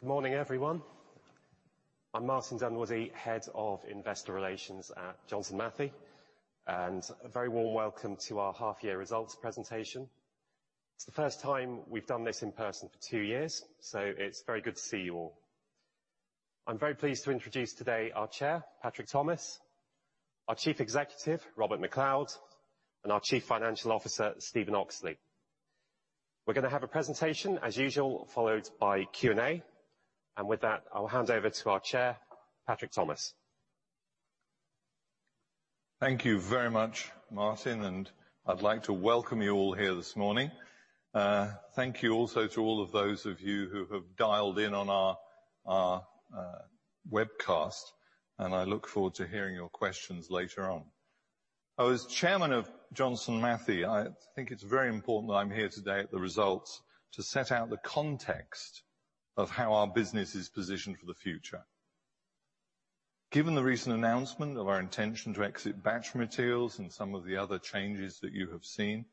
Good morning, everyone. I'm Martin Dunwoodie, head of Investor Relations at Johnson Matthey. A very warm welcome to our half year results presentation. It's the first time we've done this in person for two years, so it's very good to see you all. I'm very pleased to introduce today our Chair, Patrick Thomas, our Chief Executive, Robert MacLeod, and our Chief Financial Officer, Stephen Oxley. We're gonna have a presentation as usual, followed by Q&A. With that, I will hand over to our Chair, Patrick Thomas. Thank you very much, Martin, and I'd like to welcome you all here this morning. Thank you also to all of those of you who have dialed in on our webcast. I look forward to hearing your questions later on. As Chairman of Johnson Matthey, I think it's very important that I'm here today at the results to set out the context of how our business is positioned for the future. Given the recent announcement of our intention to exit Battery Materials and some of the other changes that you have seen,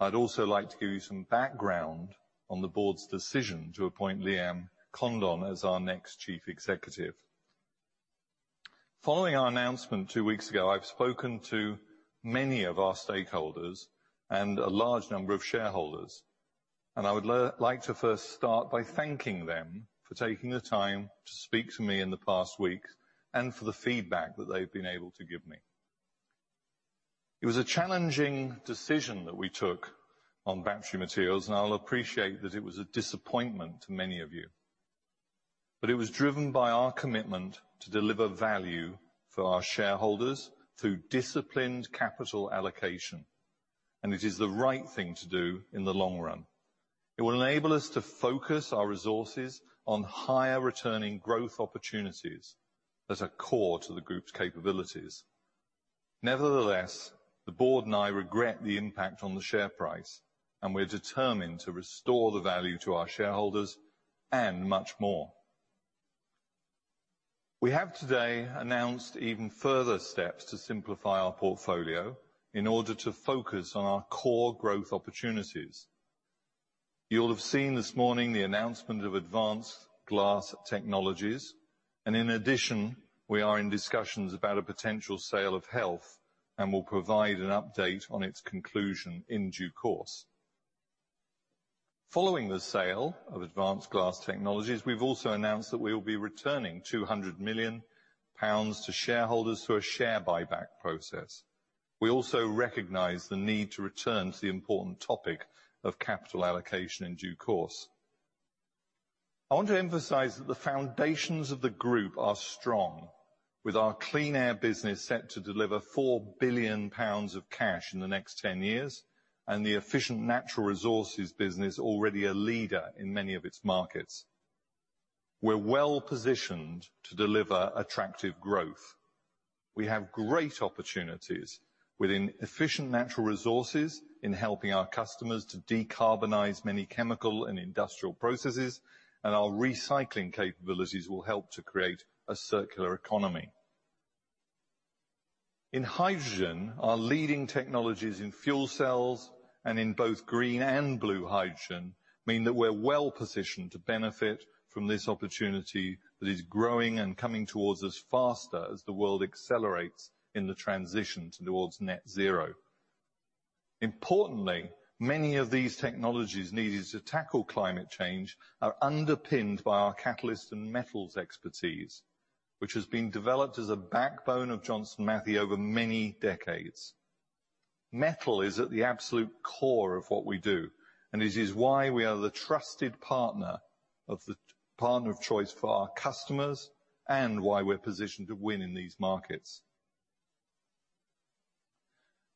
I'd also like to give you some background on the board's decision to appoint Liam Condon as our next chief executive. Following our announcement two weeks ago, I've spoken to many of our stakeholders and a large number of shareholders, and I would like to first start by thanking them for taking the time to speak to me in the past week and for the feedback that they've been able to give me. It was a challenging decision that we took on Battery Materials, and I appreciate that it was a disappointment to many of you. It was driven by our commitment to deliver value for our shareholders through disciplined capital allocation, and it is the right thing to do in the long run. It will enable us to focus our resources on higher returning growth opportunities that are core to the group's capabilities. Nevertheless, the board and I regret the impact on the share price, and we're determined to restore the value to our shareholders and much more. We have today announced even further steps to simplify our portfolio in order to focus on our core growth opportunities. You'll have seen this morning the announcement of Advanced Glass Technologies, and in addition, we are in discussions about a potential sale of Health and will provide an update on its conclusion in due course. Following the sale of Advanced Glass Technologies, we've also announced that we will be returning 200 million pounds to shareholders through a share buyback process. We also recognize the need to return to the important topic of capital allocation in due course. I want to emphasize that the foundations of the group are strong, with our Clean Air business set to deliver 4 billion pounds of cash in the next 10 years, and the Efficient Natural Resources business already a leader in many of its markets. We're well-positioned to deliver attractive growth. We have great opportunities within Efficient Natural Resources in helping our customers to decarbonize many chemical and industrial processes, and our recycling capabilities will help to create a circular economy. In Hydrogen, our leading technologies in fuel cells and in both green and blue hydrogen mean that we're well-positioned to benefit from this opportunity that is growing and coming towards us faster as the world accelerates in the transition towards net zero. Importantly, many of these technologies needed to tackle climate change are underpinned by our catalyst and metals expertise, which has been developed as a backbone of Johnson Matthey over many decades. Metal is at the absolute core of what we do, and it is why we are the trusted partner of choice for our customers and why we're positioned to win in these markets.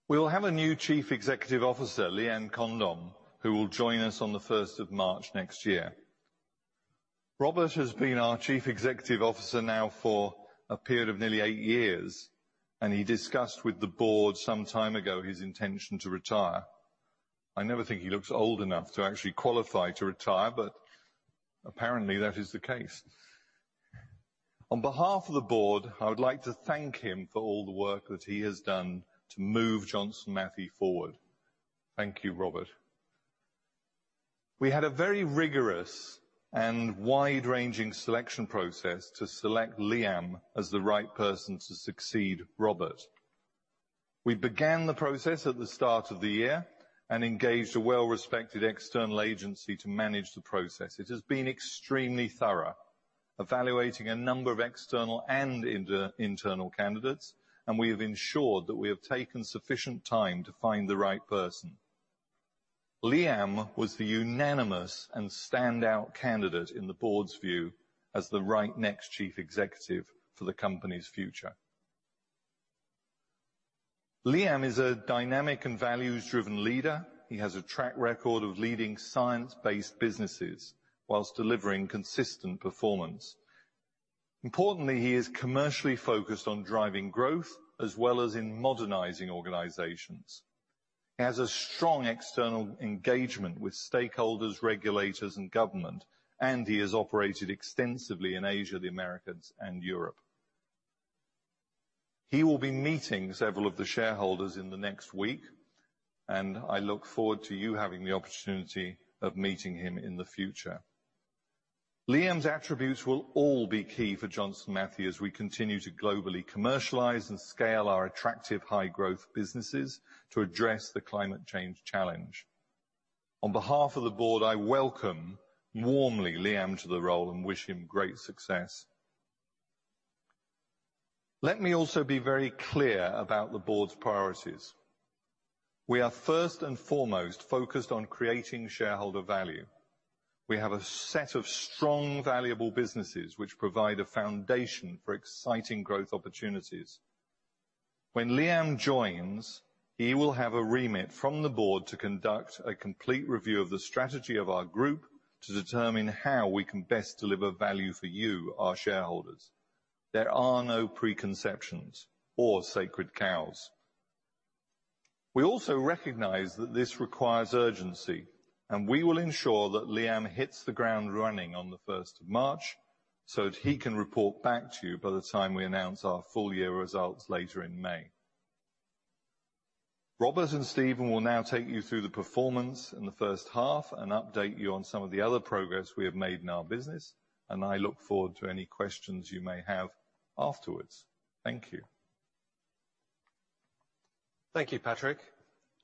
We'll have a new Chief Executive Officer, Liam Condon, who will join us on the first of March next year. Robert has been our Chief Executive Officer now for a period of nearly eight years, and he discussed with the board some time ago his intention to retire. I never think he looks old enough to actually qualify to retire, but apparently that is the case. On behalf of the board, I would like to thank him for all the work that he has done to move Johnson Matthey forward. Thank you, Robert. We had a very rigorous and wide-ranging selection process to select Liam as the right person to succeed Robert. We began the process at the start of the year and engaged a well-respected external agency to manage the process. It has been extremely thorough, evaluating a number of external and internal candidates, and we have ensured that we have taken sufficient time to find the right person. Liam was the unanimous and standout candidate in the board's view as the right next Chief Executive for the company's future. Liam is a dynamic and values-driven leader. He has a track record of leading science-based businesses whilst delivering consistent performance. Importantly, he is commercially focused on driving growth as well as in modernizing organizations. He has a strong external engagement with stakeholders, regulators, and government, and he has operated extensively in Asia, the Americas, and Europe. He will be meeting several of the shareholders in the next week, and I look forward to you having the opportunity of meeting him in the future. Liam's attributes will all be key for Johnson Matthey as we continue to globally commercialize and scale our attractive high-growth businesses to address the climate change challenge. On behalf of the board, I welcome warmly Liam to the role and wish him great success. Let me also be very clear about the board's priorities. We are first and foremost focused on creating shareholder value. We have a set of strong, valuable businesses which provide a foundation for exciting growth opportunities. When Liam joins, he will have a remit from the board to conduct a complete review of the strategy of our group to determine how we can best deliver value for you, our shareholders. There are no preconceptions or sacred cows. We also recognize that this requires urgency, and we will ensure that Liam hits the ground running on the first of March, so that he can report back to you by the time we announce our full year results later in May. Robert and Stephen will now take you through the performance in the first half and update you on some of the other progress we have made in our business, and I look forward to any questions you may have afterwards. Thank you. Thank you, Patrick,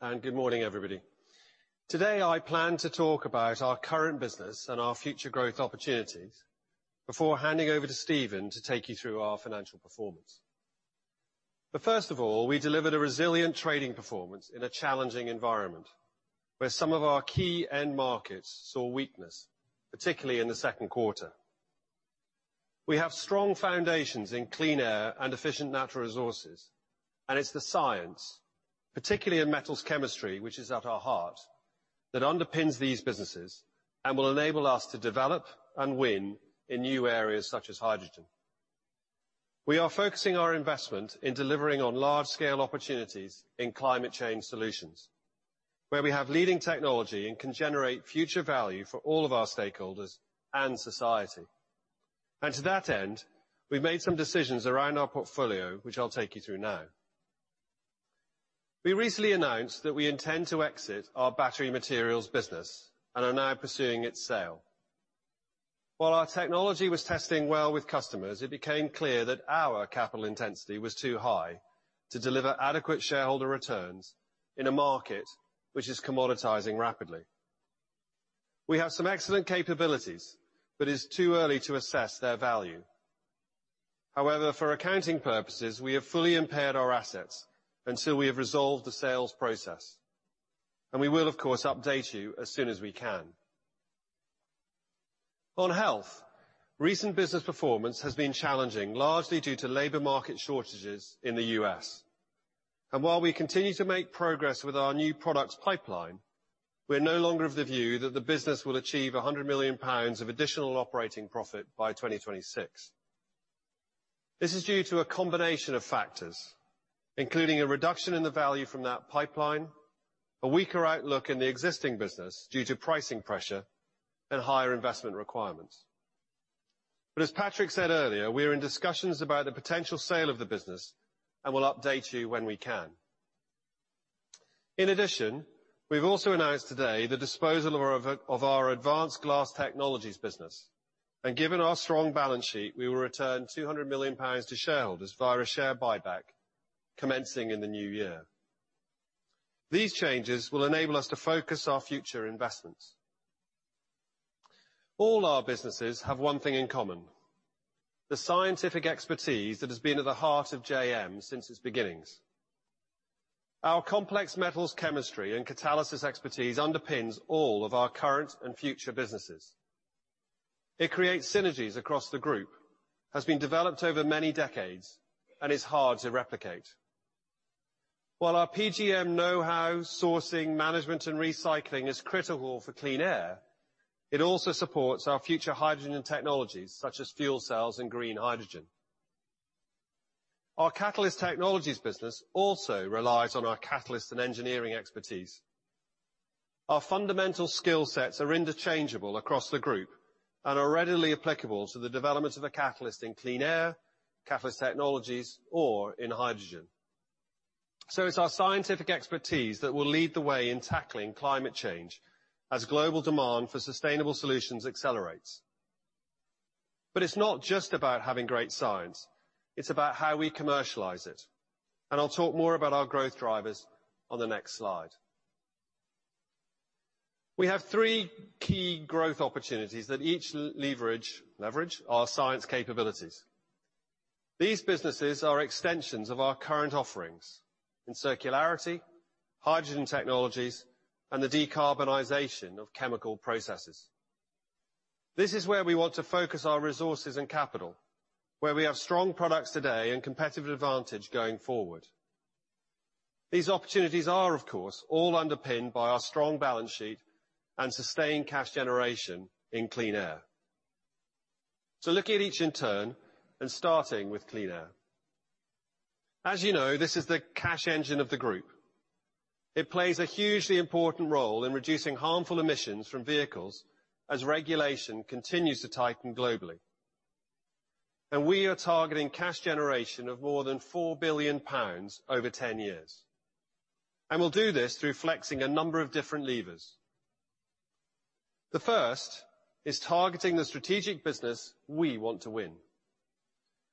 and good morning, everybody. Today, I plan to talk about our current business and our future growth opportunities before handing over to Stephen to take you through our financial performance. First of all, we delivered a resilient trading performance in a challenging environment, where some of our key end markets saw weakness, particularly in the second quarter. We have strong foundations in Clean Air and Efficient Natural Resources, and it's the science, particularly in metals chemistry, which is at our heart, that underpins these businesses and will enable us to develop and win in new areas such as hydrogen. We are focusing our investment in delivering on large-scale opportunities in climate change solutions, where we have leading technology and can generate future value for all of our stakeholders and society. To that end, we've made some decisions around our portfolio, which I'll take you through now. We recently announced that we intend to exit our Battery Materials business and are now pursuing its sale. While our technology was testing well with customers, it became clear that our capital intensity was too high to deliver adequate shareholder returns in a market which is commoditizing rapidly. We have some excellent capabilities, but it's too early to assess their value. However, for accounting purposes, we have fully impaired our assets until we have resolved the sales process. We will, of course, update you as soon as we can. On Health, recent business performance has been challenging, largely due to labor market shortages in the U.S. While we continue to make progress with our new products pipeline, we're no longer of the view that the business will achieve 100 million pounds of additional operating profit by 2026. This is due to a combination of factors, including a reduction in the value from that pipeline, a weaker outlook in the existing business due to pricing pressure and higher investment requirements. As Patrick said earlier, we're in discussions about the potential sale of the business and will update you when we can. In addition, we've also announced today the disposal of our Advanced Glass Technologies business. Given our strong balance sheet, we will return 200 million pounds to shareholders via share buyback commencing in the new year. These changes will enable us to focus our future investments. All our businesses have one thing in common, the scientific expertise that has been at the heart of JM since its beginnings. Our complex metals chemistry and catalysis expertise underpins all of our current and future businesses. It creates synergies across the group, has been developed over many decades, and is hard to replicate. While our PGM know-how, sourcing, management, and recycling is critical for Clean Air, it also supports our future hydrogen technologies such as fuel cells and green hydrogen. Our Catalyst Technologies business also relies on our catalyst and engineering expertise. Our fundamental skill sets are interchangeable across the group and are readily applicable to the development of a catalyst in Clean Air, Catalyst Technologies, or in hydrogen. It's our scientific expertise that will lead the way in tackling climate change as global demand for sustainable solutions accelerates. It's not just about having great science, it's about how we commercialize it, and I'll talk more about our growth drivers on the next slide. We have three key growth opportunities that each leverage our science capabilities. These businesses are extensions of our current offerings in circularity, hydrogen technologies, and the decarbonization of chemical processes. This is where we want to focus our resources and capital, where we have strong products today and competitive advantage going forward. These opportunities are, of course, all underpinned by our strong balance sheet and sustained cash generation in Clean Air. Looking at each in turn and starting with Clean Air. As you know, this is the cash engine of the group. It plays a hugely important role in reducing harmful emissions from vehicles as regulation continues to tighten globally. We are targeting cash generation of more than 4 billion pounds over 10 years. We'll do this through flexing a number of different levers. The first is targeting the strategic business we want to win.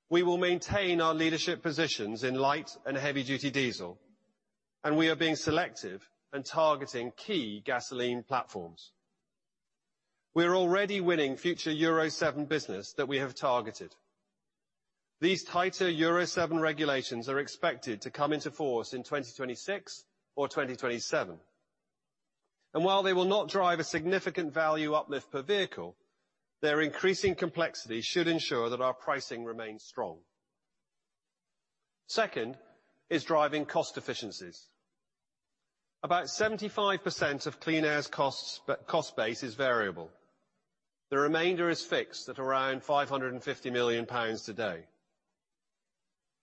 We will maintain our leadership positions in light and heavy-duty diesel, and we are being selective in targeting key gasoline platforms. We're already winning future Euro 7 business that we have targeted. These tighter Euro 7 regulations are expected to come into force in 2026 or 2027. While they will not drive a significant value uplift per vehicle, their increasing complexity should ensure that our pricing remains strong. Second is driving cost efficiencies. About 75% of Clean Air's cost base is variable. The remainder is fixed at around 550 million pounds today.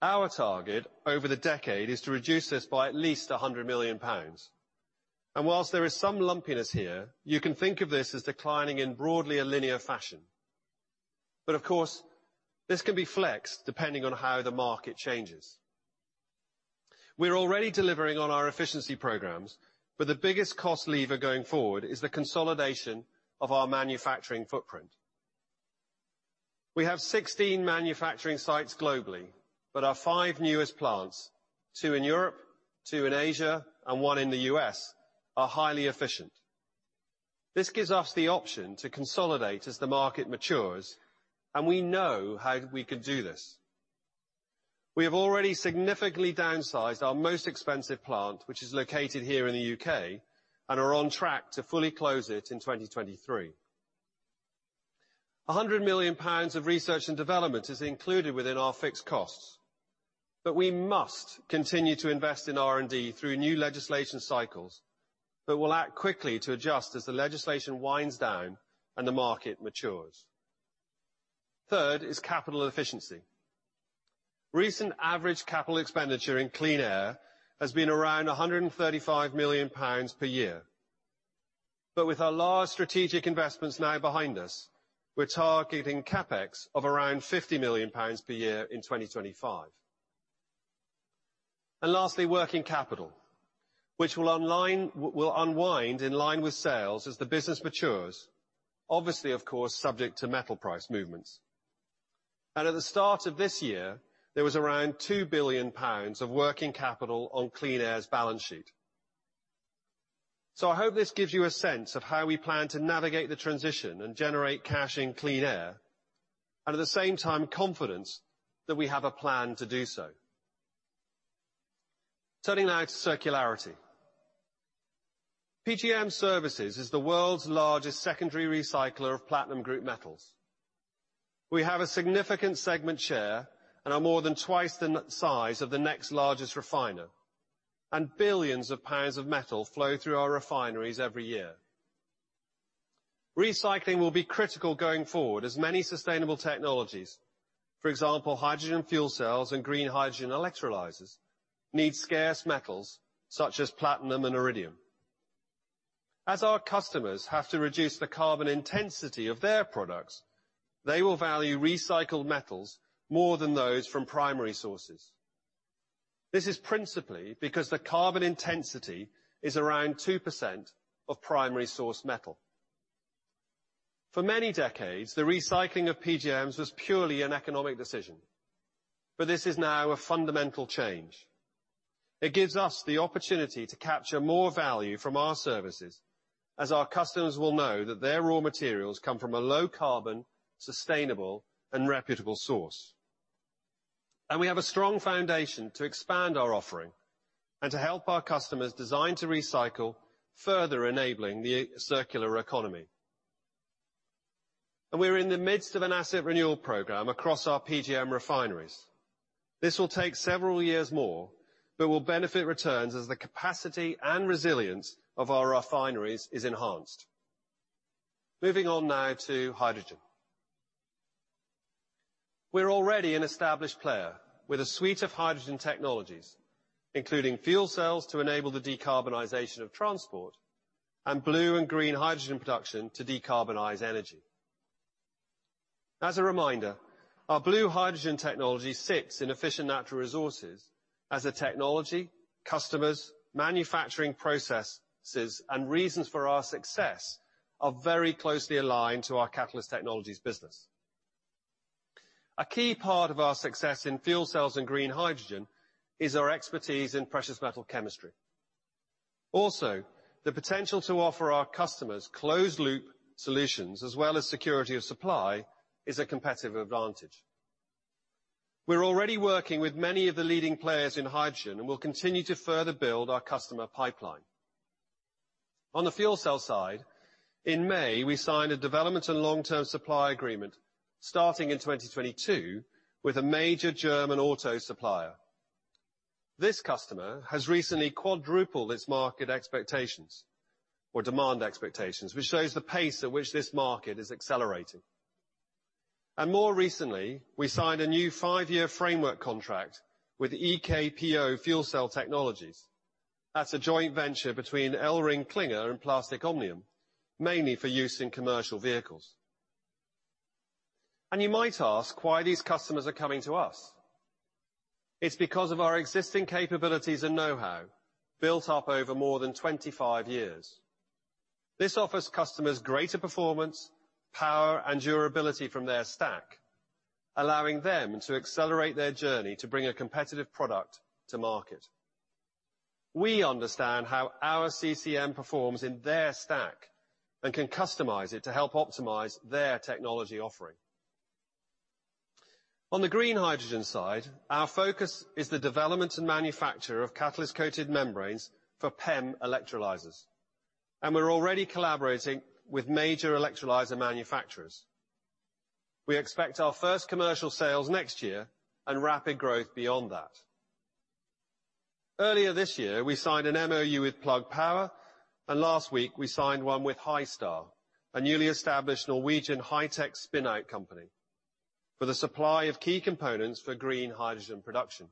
Our target over the decade is to reduce this by at least 100 million pounds. While there is some lumpiness here, you can think of this as declining in broadly a linear fashion. Of course, this can be flexed depending on how the market changes. We're already delivering on our efficiency programs, but the biggest cost lever going forward is the consolidation of our manufacturing footprint. We have 16 manufacturing sites globally, but our five newest plants, two in Europe, two in Asia, and one in the U.S., are highly efficient. This gives us the option to consolidate as the market matures, and we know how we could do this. We have already significantly downsized our most expensive plant, which is located here in the U.K. and are on track to fully close it in 2023. 100 million pounds of research and development is included within our fixed costs. We must continue to invest in R&D through new legislation cycles, but we'll act quickly to adjust as the legislation winds down and the market matures. Third is capital efficiency. Recent average capital expenditure in Clean Air has been around 135 million pounds per year. With our large strategic investments now behind us, we're targeting CapEx of around 50 million pounds per year in 2025. Lastly, working capital, which will unwind in line with sales as the business matures, obviously, of course, subject to metal price movements. At the start of this year, there was around 2 billion pounds of working capital on Clean Air's balance sheet. I hope this gives you a sense of how we plan to navigate the transition and generate cash in Clean Air, and at the same time, confidence that we have a plan to do so. Turning now to circularity. PGM Services is the world's largest secondary recycler of platinum group metals. We have a significant segment share and are more than twice the size of the next largest refiner, and billions of pounds of metal flow through our refineries every year. Recycling will be critical going forward as many sustainable technologies, for example, hydrogen fuel cells and green hydrogen electrolyzers need scarce metals such as platinum and iridium. As our customers have to reduce the carbon intensity of their products, they will value recycled metals more than those from primary sources. This is principally because the carbon intensity is around 2% of primary source metal. For many decades, the recycling of PGMs was purely an economic decision, but this is now a fundamental change. It gives us the opportunity to capture more value from our services as our customers will know that their raw materials come from a low carbon, sustainable and reputable source. We have a strong foundation to expand our offering and to help our customers design to recycle, further enabling the circular economy. We're in the midst of an asset renewal program across our PGM refineries. This will take several years more, but will benefit returns as the capacity and resilience of our refineries is enhanced. Moving on now to hydrogen. We're already an established player with a suite of hydrogen technologies, including fuel cells to enable the decarbonization of transport and blue and green hydrogen production to decarbonize energy. As a reminder, our blue hydrogen technology sits in Efficient Natural Resources as a technology. Customers, manufacturing processes, and reasons for our success are very closely aligned to our Catalyst Technologies business. A key part of our success in fuel cells and green hydrogen is our expertise in precious metal chemistry. Also, the potential to offer our customers closed loop solutions as well as security of supply is a competitive advantage. We're already working with many of the leading players in hydrogen and will continue to further build our customer pipeline. On the fuel cell side, in May, we signed a development and long-term supply agreement starting in 2022 with a major German auto supplier. This customer has recently quadrupled its market expectations or demand expectations, which shows the pace at which this market is accelerating. More recently, we signed a new five-year framework contract with EKPO Fuel Cell Technologies. That's a joint venture between ElringKlinger and Plastic Omnium, mainly for use in commercial vehicles. You might ask why these customers are coming to us. It's because of our existing capabilities and know-how built up over more than 25 years. This offers customers greater performance, power, and durability from their stack, allowing them to accelerate their journey to bring a competitive product to market. We understand how our CCM performs in their stack and can customize it to help optimize their technology offering. On the green hydrogen side, our focus is the development and manufacture of catalyst coated membranes for PEM electrolyzers, and we're already collaborating with major electrolyzer manufacturers. We expect our first commercial sales next year and rapid growth beyond that. Earlier this year, we signed an MOU with Plug Power, and last week we signed one with Hystar, a newly established Norwegian high-tech spin-out company, for the supply of key components for green hydrogen production.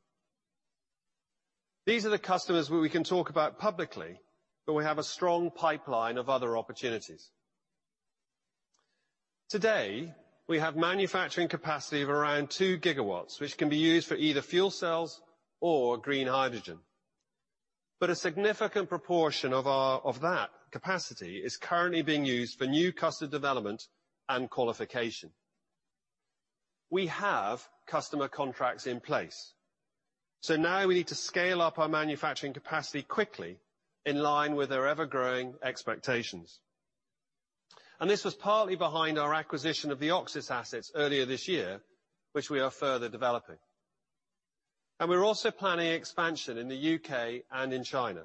These are the customers we can talk about publicly, but we have a strong pipeline of other opportunities. Today, we have manufacturing capacity of around 2 GW, which can be used for either fuel cells or green hydrogen. A significant proportion of that capacity is currently being used for new customer development and qualification. We have customer contracts in place. Now we need to scale up our manufacturing capacity quickly in line with our ever-growing expectations. This was partly behind our acquisition of the Oxis assets earlier this year, which we are further developing. We're also planning expansion in the U.K. and in China.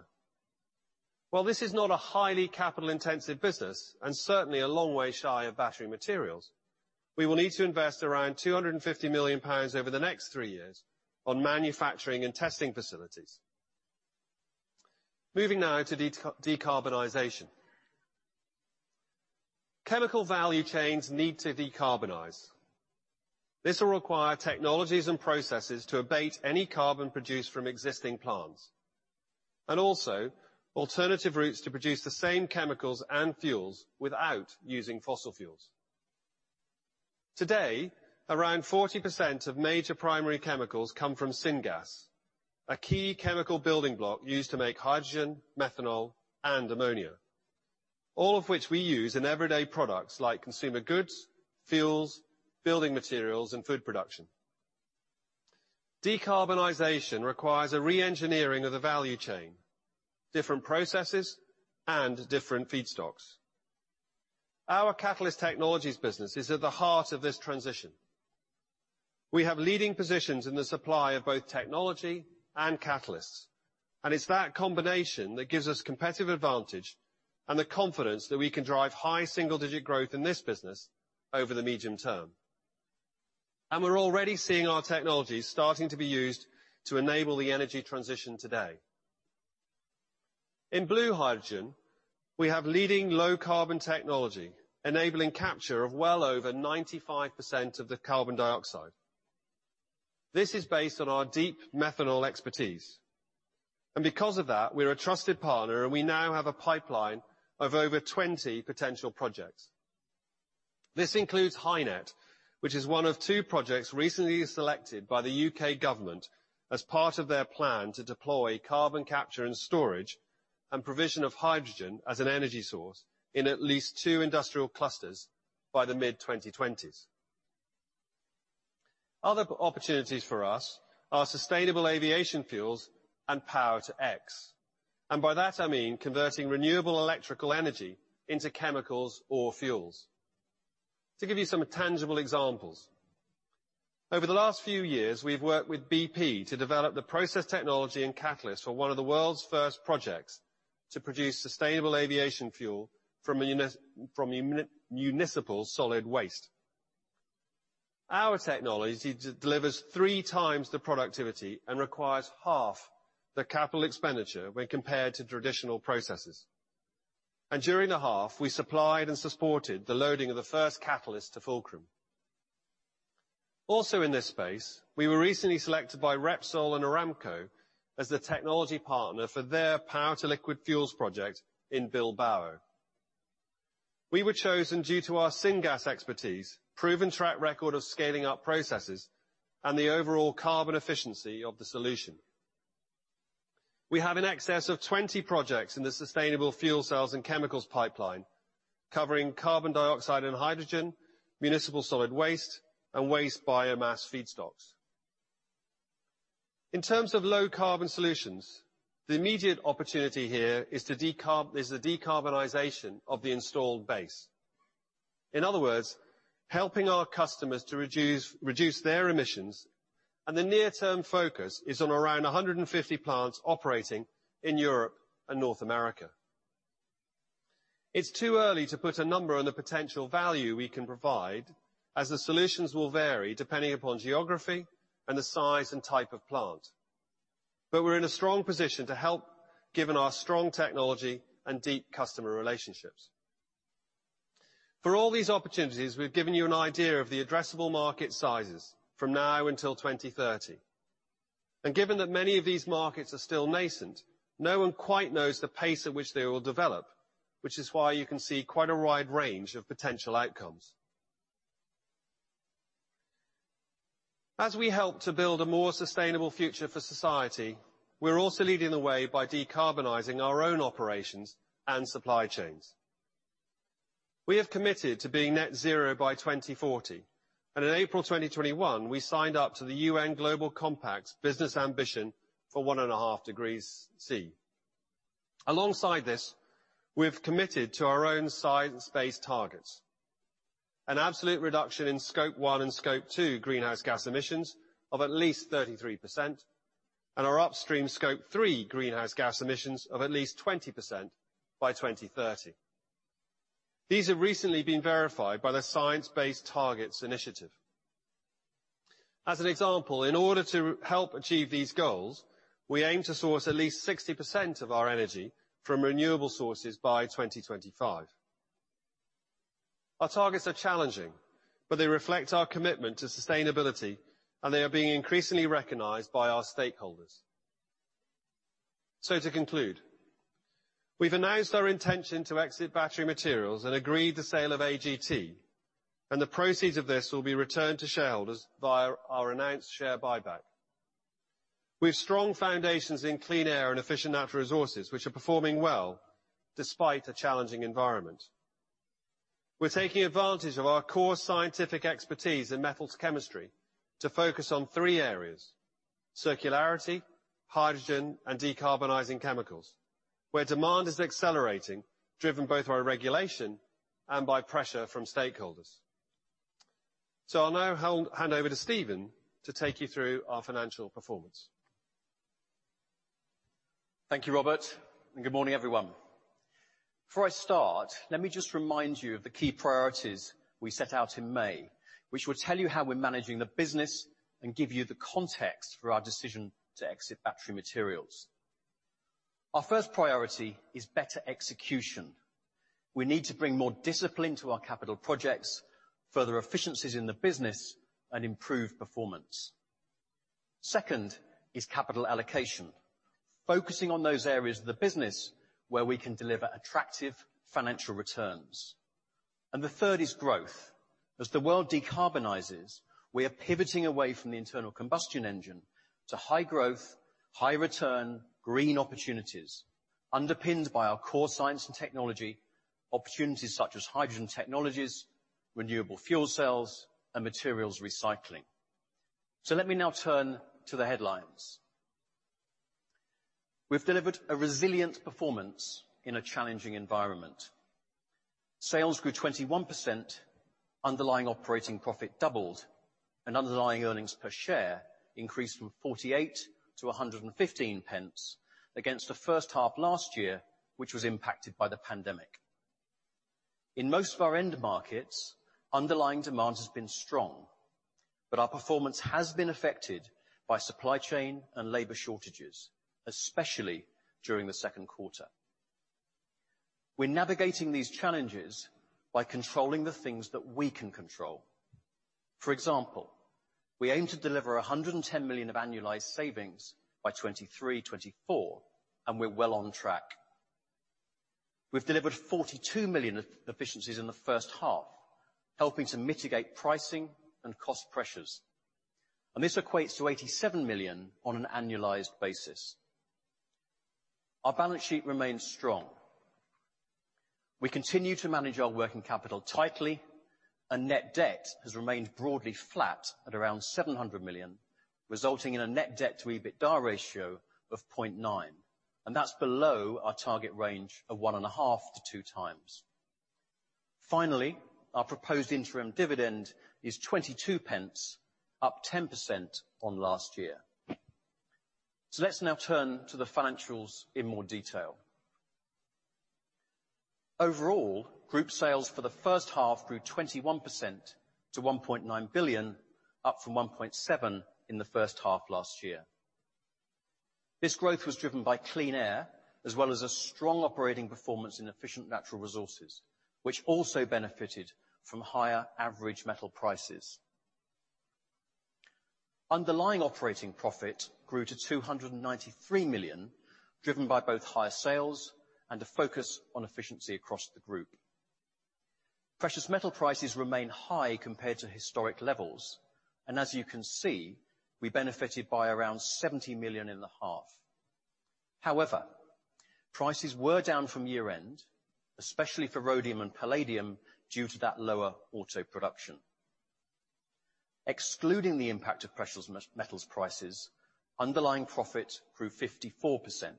While this is not a highly capital-intensive business and certainly a long way shy of Battery Materials, we will need to invest around 250 million pounds over the next three years on manufacturing and testing facilities. Moving now to decarbonization. Chemical value chains need to decarbonize. This will require technologies and processes to abate any carbon produced from existing plants, and also alternative routes to produce the same chemicals and fuels without using fossil fuels. Today, around 40% of major primary chemicals come from syngas, a key chemical building block used to make hydrogen, methanol, and ammonia, all of which we use in everyday products like consumer goods, fuels, building materials, and food production. Decarbonization requires a reengineering of the value chain, different processes, and different feedstocks. Our Catalyst Technologies business is at the heart of this transition. We have leading positions in the supply of both technology and catalysts, and it's that combination that gives us competitive advantage and the confidence that we can drive high single-digit growth in this business over the medium term. We're already seeing our technologies starting to be used to enable the energy transition today. In blue hydrogen, we have leading low carbon technology enabling capture of well over 95% of the carbon dioxide. This is based on our deep methanol expertise. Because of that, we're a trusted partner and we now have a pipeline of over 20 potential projects. This includes HyNet, which is one of two projects recently selected by the U.K. government as part of their plan to deploy carbon capture and storage and provision of hydrogen as an energy source in at least two industrial clusters by the mid-2020s. Other opportunities for us are sustainable aviation fuels and Power-to-X. By that, I mean converting renewable electrical energy into chemicals or fuels. To give you some tangible examples, over the last few years, we've worked with BP to develop the process technology and catalyst for one of the world's first projects to produce sustainable aviation fuel from municipal solid waste. Our technology delivers three times the productivity and requires half the capital expenditure when compared to traditional processes. During the half, we supplied and supported the loading of the first catalyst to Fulcrum. Also in this space, we were recently selected by Repsol and Aramco as the technology partner for their Power-to-Liquid fuels project in Bilbao. We were chosen due to our syngas expertise, proven track record of scaling up processes, and the overall carbon efficiency of the solution. We have in excess of 20 projects in the sustainable fuel cells and chemicals pipeline, covering carbon dioxide and hydrogen, municipal solid waste, and waste biomass feedstocks. In terms of low carbon solutions, the immediate opportunity here is the decarbonization of the installed base. In other words, helping our customers to reduce their emissions, and the near-term focus is on around 150 plants operating in Europe and North America. It's too early to put a number on the potential value we can provide as the solutions will vary depending upon geography and the size and type of plant. We're in a strong position to help given our strong technology and deep customer relationships. For all these opportunities, we've given you an idea of the addressable market sizes from now until 2030. Given that many of these markets are still nascent, no one quite knows the pace at which they will develop, which is why you can see quite a wide range of potential outcomes. As we help to build a more sustainable future for society, we're also leading the way by decarbonizing our own operations and supply chains. We have committed to being net zero by 2040, and in April 2021 we signed up to the UN Global Compact Business Ambition for 1.5 degrees C. Alongside this, we have committed to our own Science-Based Targets. An absolute reduction in Scope 1 and Scope 2 greenhouse gas emissions of at least 33%, and our upstream Scope 3 greenhouse gas emissions of at least 20% by 2030. These have recently been verified by the Science Based Targets initiative. As an example, in order to help achieve these goals, we aim to source at least 60% of our energy from renewable sources by 2025. Our targets are challenging, but they reflect our commitment to sustainability, and they are being increasingly recognized by our stakeholders. To conclude, we've announced our intention to exit Battery Materials and agreed the sale of AGT and the proceeds of this will be returned to shareholders via our announced share buyback. We have strong foundations in Clean Air and Efficient Natural Resources which are performing well despite a challenging environment. We're taking advantage of our core scientific expertise in metals chemistry to focus on three areas, circularity, hydrogen, and decarbonizing chemicals, where demand is accelerating, driven both by regulation and by pressure from stakeholders. I'll now hand over to Stephen to take you through our financial performance. Thank you, Robert, and good morning, everyone. Before I start, let me just remind you of the key priorities we set out in May, which will tell you how we're managing the business and give you the context for our decision to exit Battery Materials. Our first priority is better execution. We need to bring more discipline to our capital projects, further efficiencies in the business, and improve performance. Second is capital allocation. Focusing on those areas of the business where we can deliver attractive financial returns. The third is growth. As the world decarbonizes, we are pivoting away from the internal combustion engine to high growth, high return green opportunities underpinned by our core science and technology opportunities such as hydrogen technologies, renewable fuel cells, and materials recycling. Let me now turn to the headlines. We've delivered a resilient performance in a challenging environment. Sales grew 21%, underlying operating profit doubled, and underlying earnings per share increased from 48-115 pence against the first half last year, which was impacted by the pandemic. In most of our end markets, underlying demand has been strong, but our performance has been affected by supply chain and labor shortages, especially during the second quarter. We're navigating these challenges by controlling the things that we can control. For example, we aim to deliver 110 million of annualized savings by 2023-2024, and we're well on track. We've delivered 42 million efficiencies in the first half, helping to mitigate pricing and cost pressures. This equates to 87 million on an annualized basis. Our balance sheet remains strong. We continue to manage our working capital tightly and net debt has remained broadly flat at around 700 million, resulting in a net debt to EBITDA ratio of 0.9. That's below our target range of 1.5-2x. Finally, our proposed interim dividend is 22 pence, up 10% on last year. Let's now turn to the financials in more detail. Overall, group sales for the first half grew 21% to 1.9 billion, up from 1.7 billion in the first half last year. This growth was driven by Clean Air as well as a strong operating performance in Efficient Natural Resources, which also benefited from higher average metal prices. Underlying operating profit grew to 293 million, driven by both higher sales and a focus on efficiency across the group. Precious metal prices remain high compared to historic levels, and as you can see, we benefited by around 70 million in the half. However, prices were down from year-end, especially for rhodium and palladium due to that lower auto production. Excluding the impact of precious metals prices, underlying profit grew 54%.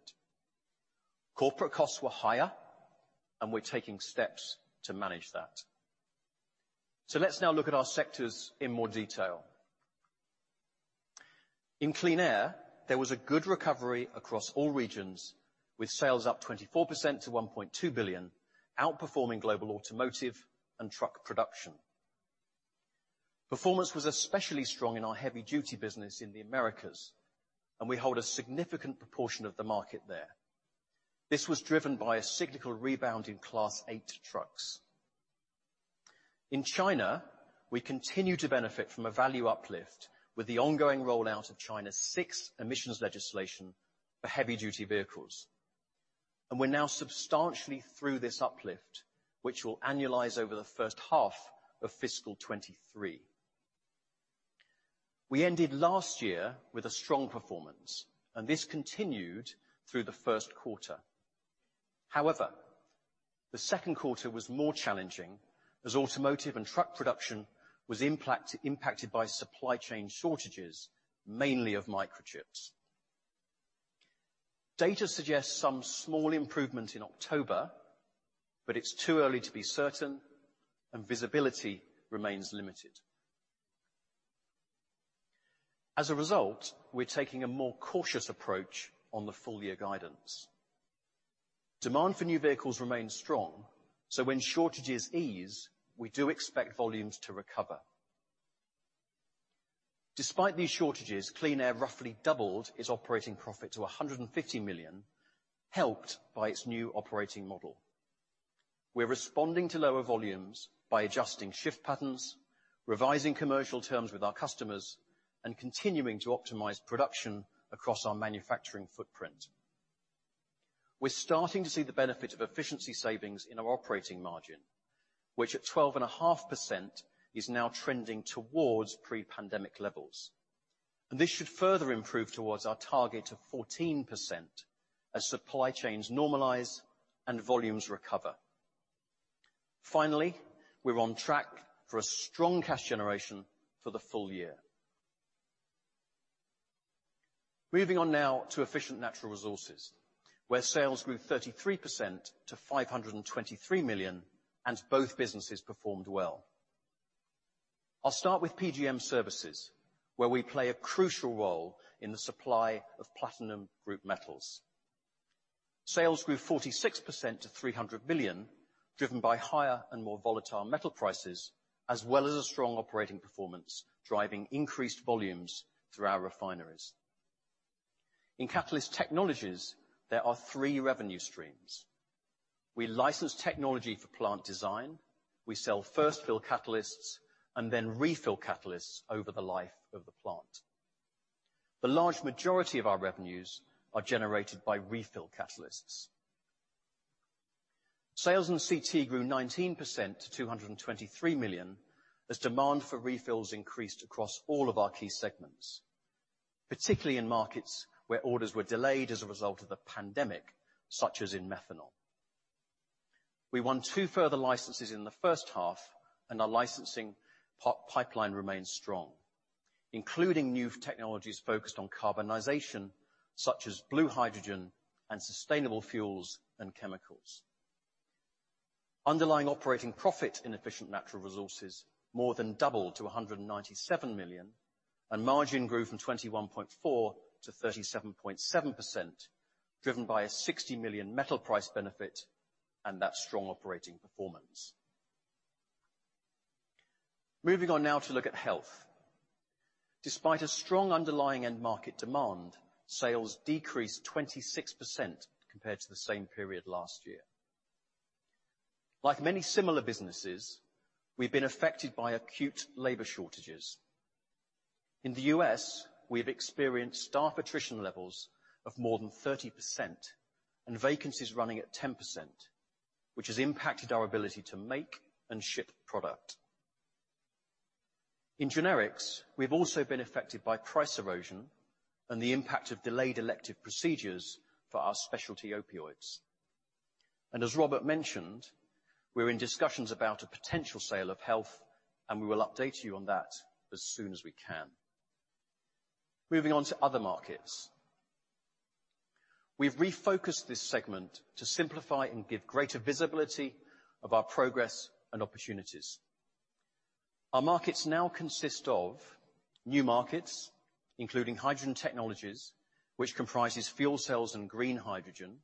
Corporate costs were higher and we're taking steps to manage that. Let's now look at our sectors in more detail. In Clean Air, there was a good recovery across all regions with sales up 24% to 1.2 billion, outperforming global automotive and truck production. Performance was especially strong in our heavy duty business in the Americas, and we hold a significant proportion of the market there. This was driven by a cyclical rebound in Class 8 trucks. In China, we continue to benefit from a value uplift with the ongoing rollout of China VI emissions legislation for heavy-duty vehicles. We're now substantially through this uplift, which will annualize over the first half of fiscal 2023. We ended last year with a strong performance and this continued through the first quarter. However, the second quarter was more challenging as automotive and truck production was impacted by supply chain shortages, mainly of microchips. Data suggests some small improvement in October, but it's too early to be certain and visibility remains limited. As a result, we're taking a more cautious approach on the full year guidance. Demand for new vehicles remains strong, so when shortages ease, we do expect volumes to recover. Despite these shortages, Clean Air roughly doubled its operating profit to 150 million, helped by its new operating model. We're responding to lower volumes by adjusting shift patterns, revising commercial terms with our customers, and continuing to optimize production across our manufacturing footprint. We're starting to see the benefit of efficiency savings in our operating margin, which at 12.5% is now trending towards pre-pandemic levels. This should further improve towards our target of 14% as supply chains normalize and volumes recover. Finally, we're on track for a strong cash generation for the full year. Moving on now to Efficient Natural Resources, where sales grew 33% to 523 million and both businesses performed well. I'll start with PGM Services, where we play a crucial role in the supply of platinum group metals. Sales grew 46% to 300 million, driven by higher and more volatile metal prices, as well as a strong operating performance, driving increased volumes through our refineries. In Catalyst Technologies, there are three revenue streams. We license technology for plant design, we sell first-fill catalysts, and then refill catalysts over the life of the plant. The large majority of our revenues are generated by refill catalysts. Sales in CT grew 19% to 223 million as demand for refills increased across all of our key segments, particularly in markets where orders were delayed as a result of the pandemic, such as in methanol. We won two further licenses in the first half and our licensing pipeline remains strong, including new technologies focused on decarbonization, such as blue hydrogen and sustainable fuels and chemicals. Underlying operating profit in Efficient Natural Resources more than doubled to 197 million, and margin grew from 21.4% to 37.7%, driven by a 60 million metal price benefit and that strong operating performance. Moving on now to look at Health. Despite a strong underlying end market demand, sales decreased 26% compared to the same period last year. Like many similar businesses, we've been affected by acute labor shortages. In the U.S., we have experienced staff attrition levels of more than 30% and vacancies running at 10%, which has impacted our ability to make and ship product. In generics, we've also been affected by price erosion and the impact of delayed elective procedures for our specialty opioids. As Robert mentioned, we're in discussions about a potential sale of Health, and we will update you on that as soon as we can. Moving on to other markets. We've refocused this segment to simplify and give greater visibility of our progress and opportunities. Our markets now consist of new markets, including hydrogen technologies, which comprises fuel cells and green hydrogen,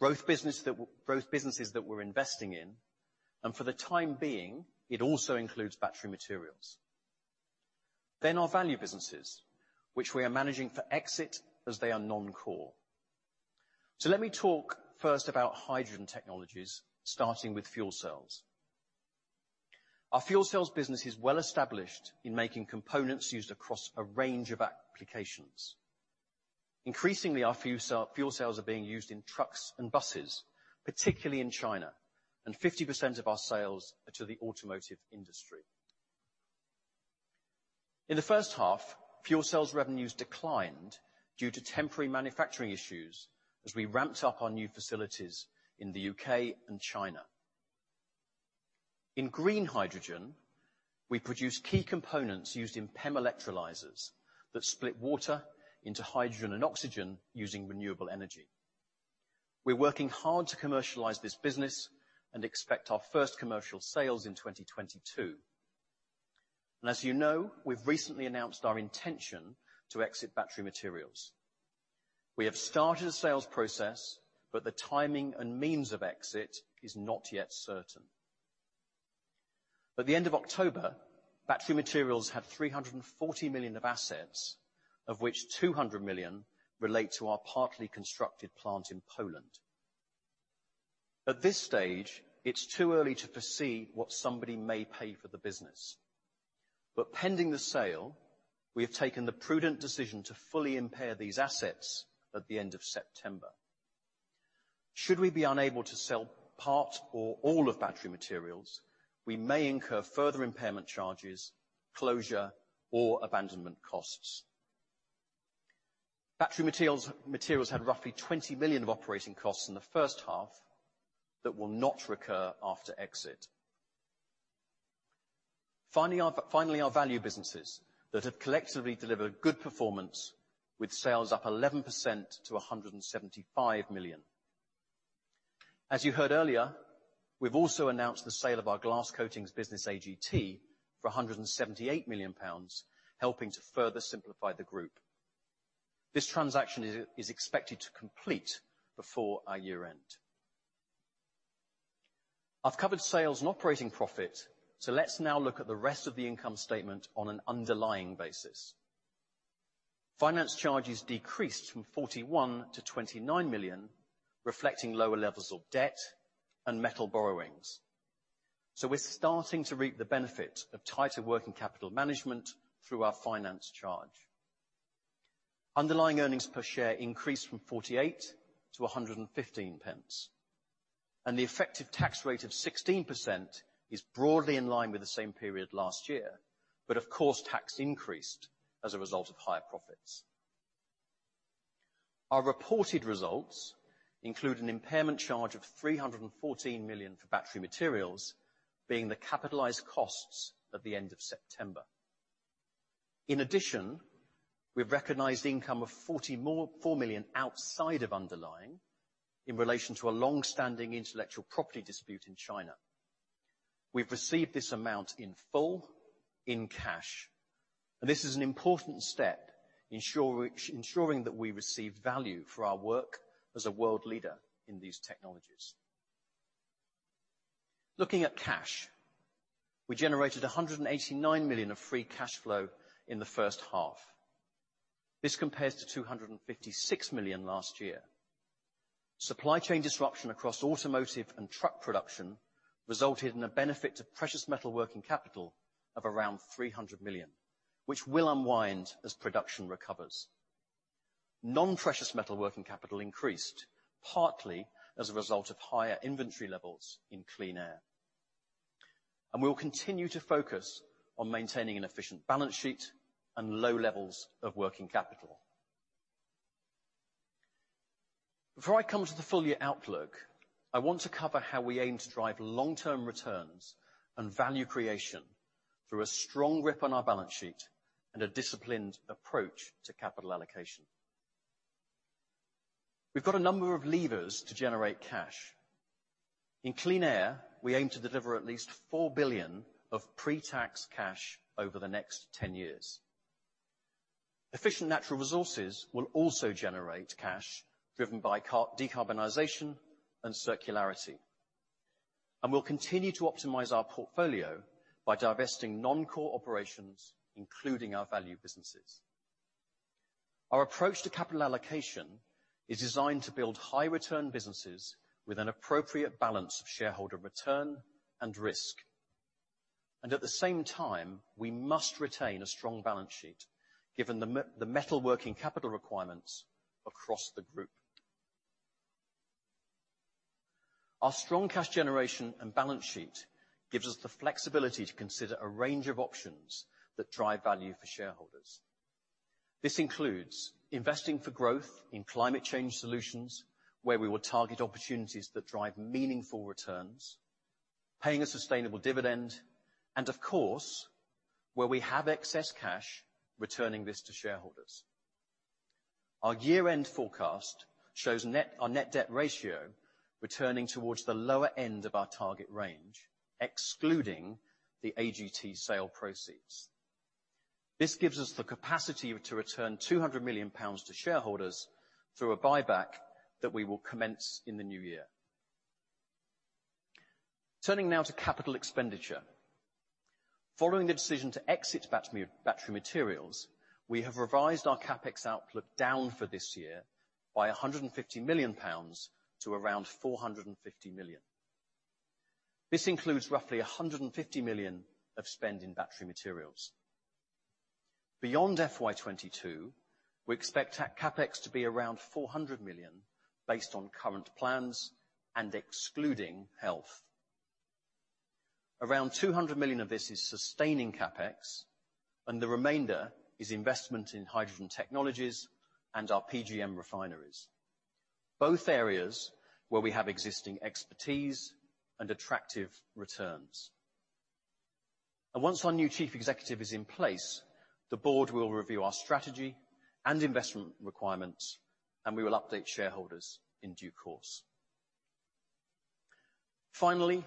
growth businesses that we're investing in, and for the time being, it also includes Battery Materials. Our value businesses, which we are managing for exit as they are non-core. Let me talk first about hydrogen technologies, starting with fuel cells. Our fuel cells business is well established in making components used across a range of applications. Increasingly, our fuel cell, fuel cells are being used in trucks and buses, particularly in China, and 50% of our sales are to the automotive industry. In the first half, fuel sales revenues declined due to temporary manufacturing issues as we ramped up our new facilities in the U.K. and China. In green hydrogen, we produce key components used in PEM electrolyzers that split water into hydrogen and oxygen using renewable energy. We're working hard to commercialize this business and expect our first commercial sales in 2022. As you know, we've recently announced our intention to exit Battery Materials. We have started a sales process, but the timing and means of exit is not yet certain. At the end of October, Battery Materials had 340 million of assets, of which 200 million relate to our partly constructed plant in Poland. At this stage, it's too early to foresee what somebody may pay for the business, but pending the sale, we have taken the prudent decision to fully impair these assets at the end of September. Should we be unable to sell part or all of Battery Materials, we may incur further impairment charges, closure, or abandonment costs. Battery Materials had roughly 20 million of operating costs in the first half that will not recur after exit. Finally, our value businesses that have collectively delivered good performance with sales up 11% to 175 million. As you heard earlier, we've also announced the sale of our glass coatings business, AGT, for 178 million pounds, helping to further simplify the group. This transaction is expected to complete before our year-end. I've covered sales and operating profit, so let's now look at the rest of the income statement on an underlying basis. Finance charges decreased from 41 million to 29 million, reflecting lower levels of debt and metal borrowings. We're starting to reap the benefits of tighter working capital management through our finance charge. Underlying earnings per share increased from 48-115 pence. The effective tax rate of 16% is broadly in line with the same period last year. Of course, tax increased as a result of higher profits. Our reported results include an impairment charge of 314 million for Battery Materials, being the capitalized costs at the end of September. In addition, we've recognized income of 44 million outside of underlying in relation to a long-standing intellectual property dispute in China. We've received this amount in full in cash, and this is an important step ensuring that we receive value for our work as a world leader in these technologies. Looking at cash, we generated 189 million of free cash flow in the first half. This compares to 256 million last year. Supply chain disruption across automotive and truck production resulted in a benefit to precious metal working capital of around 300 million, which will unwind as production recovers. Non-precious metal working capital increased partly as a result of higher inventory levels in Clean Air. We will continue to focus on maintaining an efficient balance sheet and low levels of working capital. Before I come to the full year outlook, I want to cover how we aim to drive long-term returns and value creation through a strong grip on our balance sheet and a disciplined approach to capital allocation. We've got a number of levers to generate cash. In Clean Air, we aim to deliver at least 4 billion of pre-tax cash over the next 10 years. Efficient Natural Resources will also generate cash driven by carbon decarbonization and circularity. We'll continue to optimize our portfolio by divesting non-core operations, including our value businesses. Our approach to capital allocation is designed to build high return businesses with an appropriate balance of shareholder return and risk. At the same time, we must retain a strong balance sheet given the metal working capital requirements across the group. Our strong cash generation and balance sheet gives us the flexibility to consider a range of options that drive value for shareholders. This includes investing for growth in climate change solutions, where we will target opportunities that drive meaningful returns, paying a sustainable dividend, and of course, where we have excess cash, returning this to shareholders. Our year-end forecast shows our net debt ratio returning towards the lower end of our target range, excluding the AGT sale proceeds. This gives us the capacity to return 200 million pounds to shareholders through a buyback that we will commence in the new year. Turning now to capital expenditure. Following the decision to exit Battery Materials, we have revised our CapEx outlook down for this year by 150 million pounds to around 450 million. This includes roughly 150 million of spend in Battery Materials. Beyond FY 2022, we expect CapEx to be around 400 million based on current plans and excluding Health. Around 200 million of this is sustaining CapEx, and the remainder is investment in hydrogen technologies and our PGM refineries, both areas where we have existing expertise and attractive returns. Once our new chief executive is in place, the board will review our strategy and investment requirements, and we will update shareholders in due course. Finally,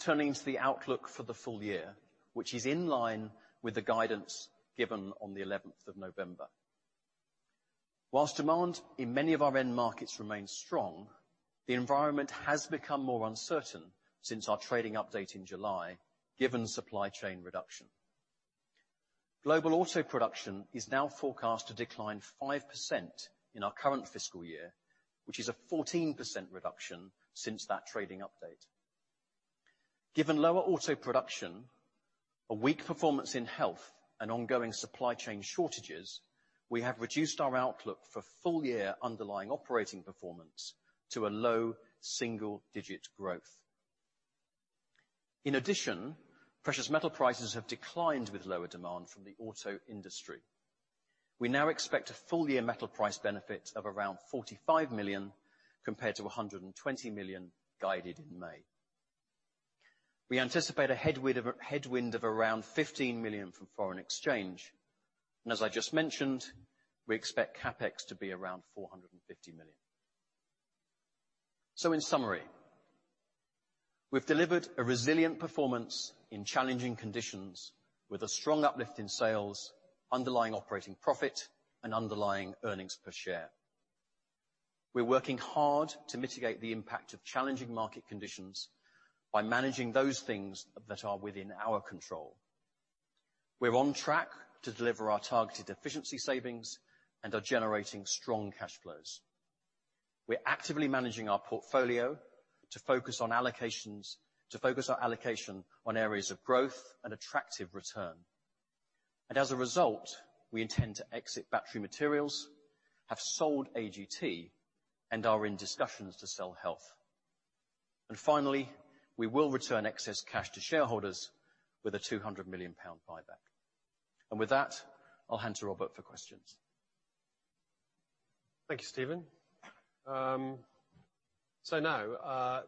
turning to the outlook for the full year, which is in line with the guidance given on the eleventh of November. While demand in many of our end markets remains strong, the environment has become more uncertain since our trading update in July, given supply chain disruptions. Global auto production is now forecast to decline 5% in our current fiscal year, which is a 14% reduction since that trading update. Given lower auto production, a weak performance in Health, and ongoing supply chain shortages, we have reduced our outlook for full year underlying operating performance to a low single-digit growth. In addition, precious metal prices have declined with lower demand from the auto industry. We now expect a full-year metal price benefit of around 45 million compared to 120 million guided in May. We anticipate a headwind of around 15 million from foreign exchange, and as I just mentioned, we expect CapEx to be around 450 million. In summary, we've delivered a resilient performance in challenging conditions with a strong uplift in sales, underlying operating profit and underlying earnings per share. We're working hard to mitigate the impact of challenging market conditions by managing those things that are within our control. We're on track to deliver our targeted efficiency savings and are generating strong cash flows. We're actively managing our portfolio to focus on allocations, to focus our allocation on areas of growth and attractive return. As a result, we intend to exit Battery Materials, have sold AGT, and are in discussions to sell Health. Finally, we will return excess cash to shareholders with a 200 million pound buyback. With that, I'll hand to Robert for questions. Thank you, Stephen. Now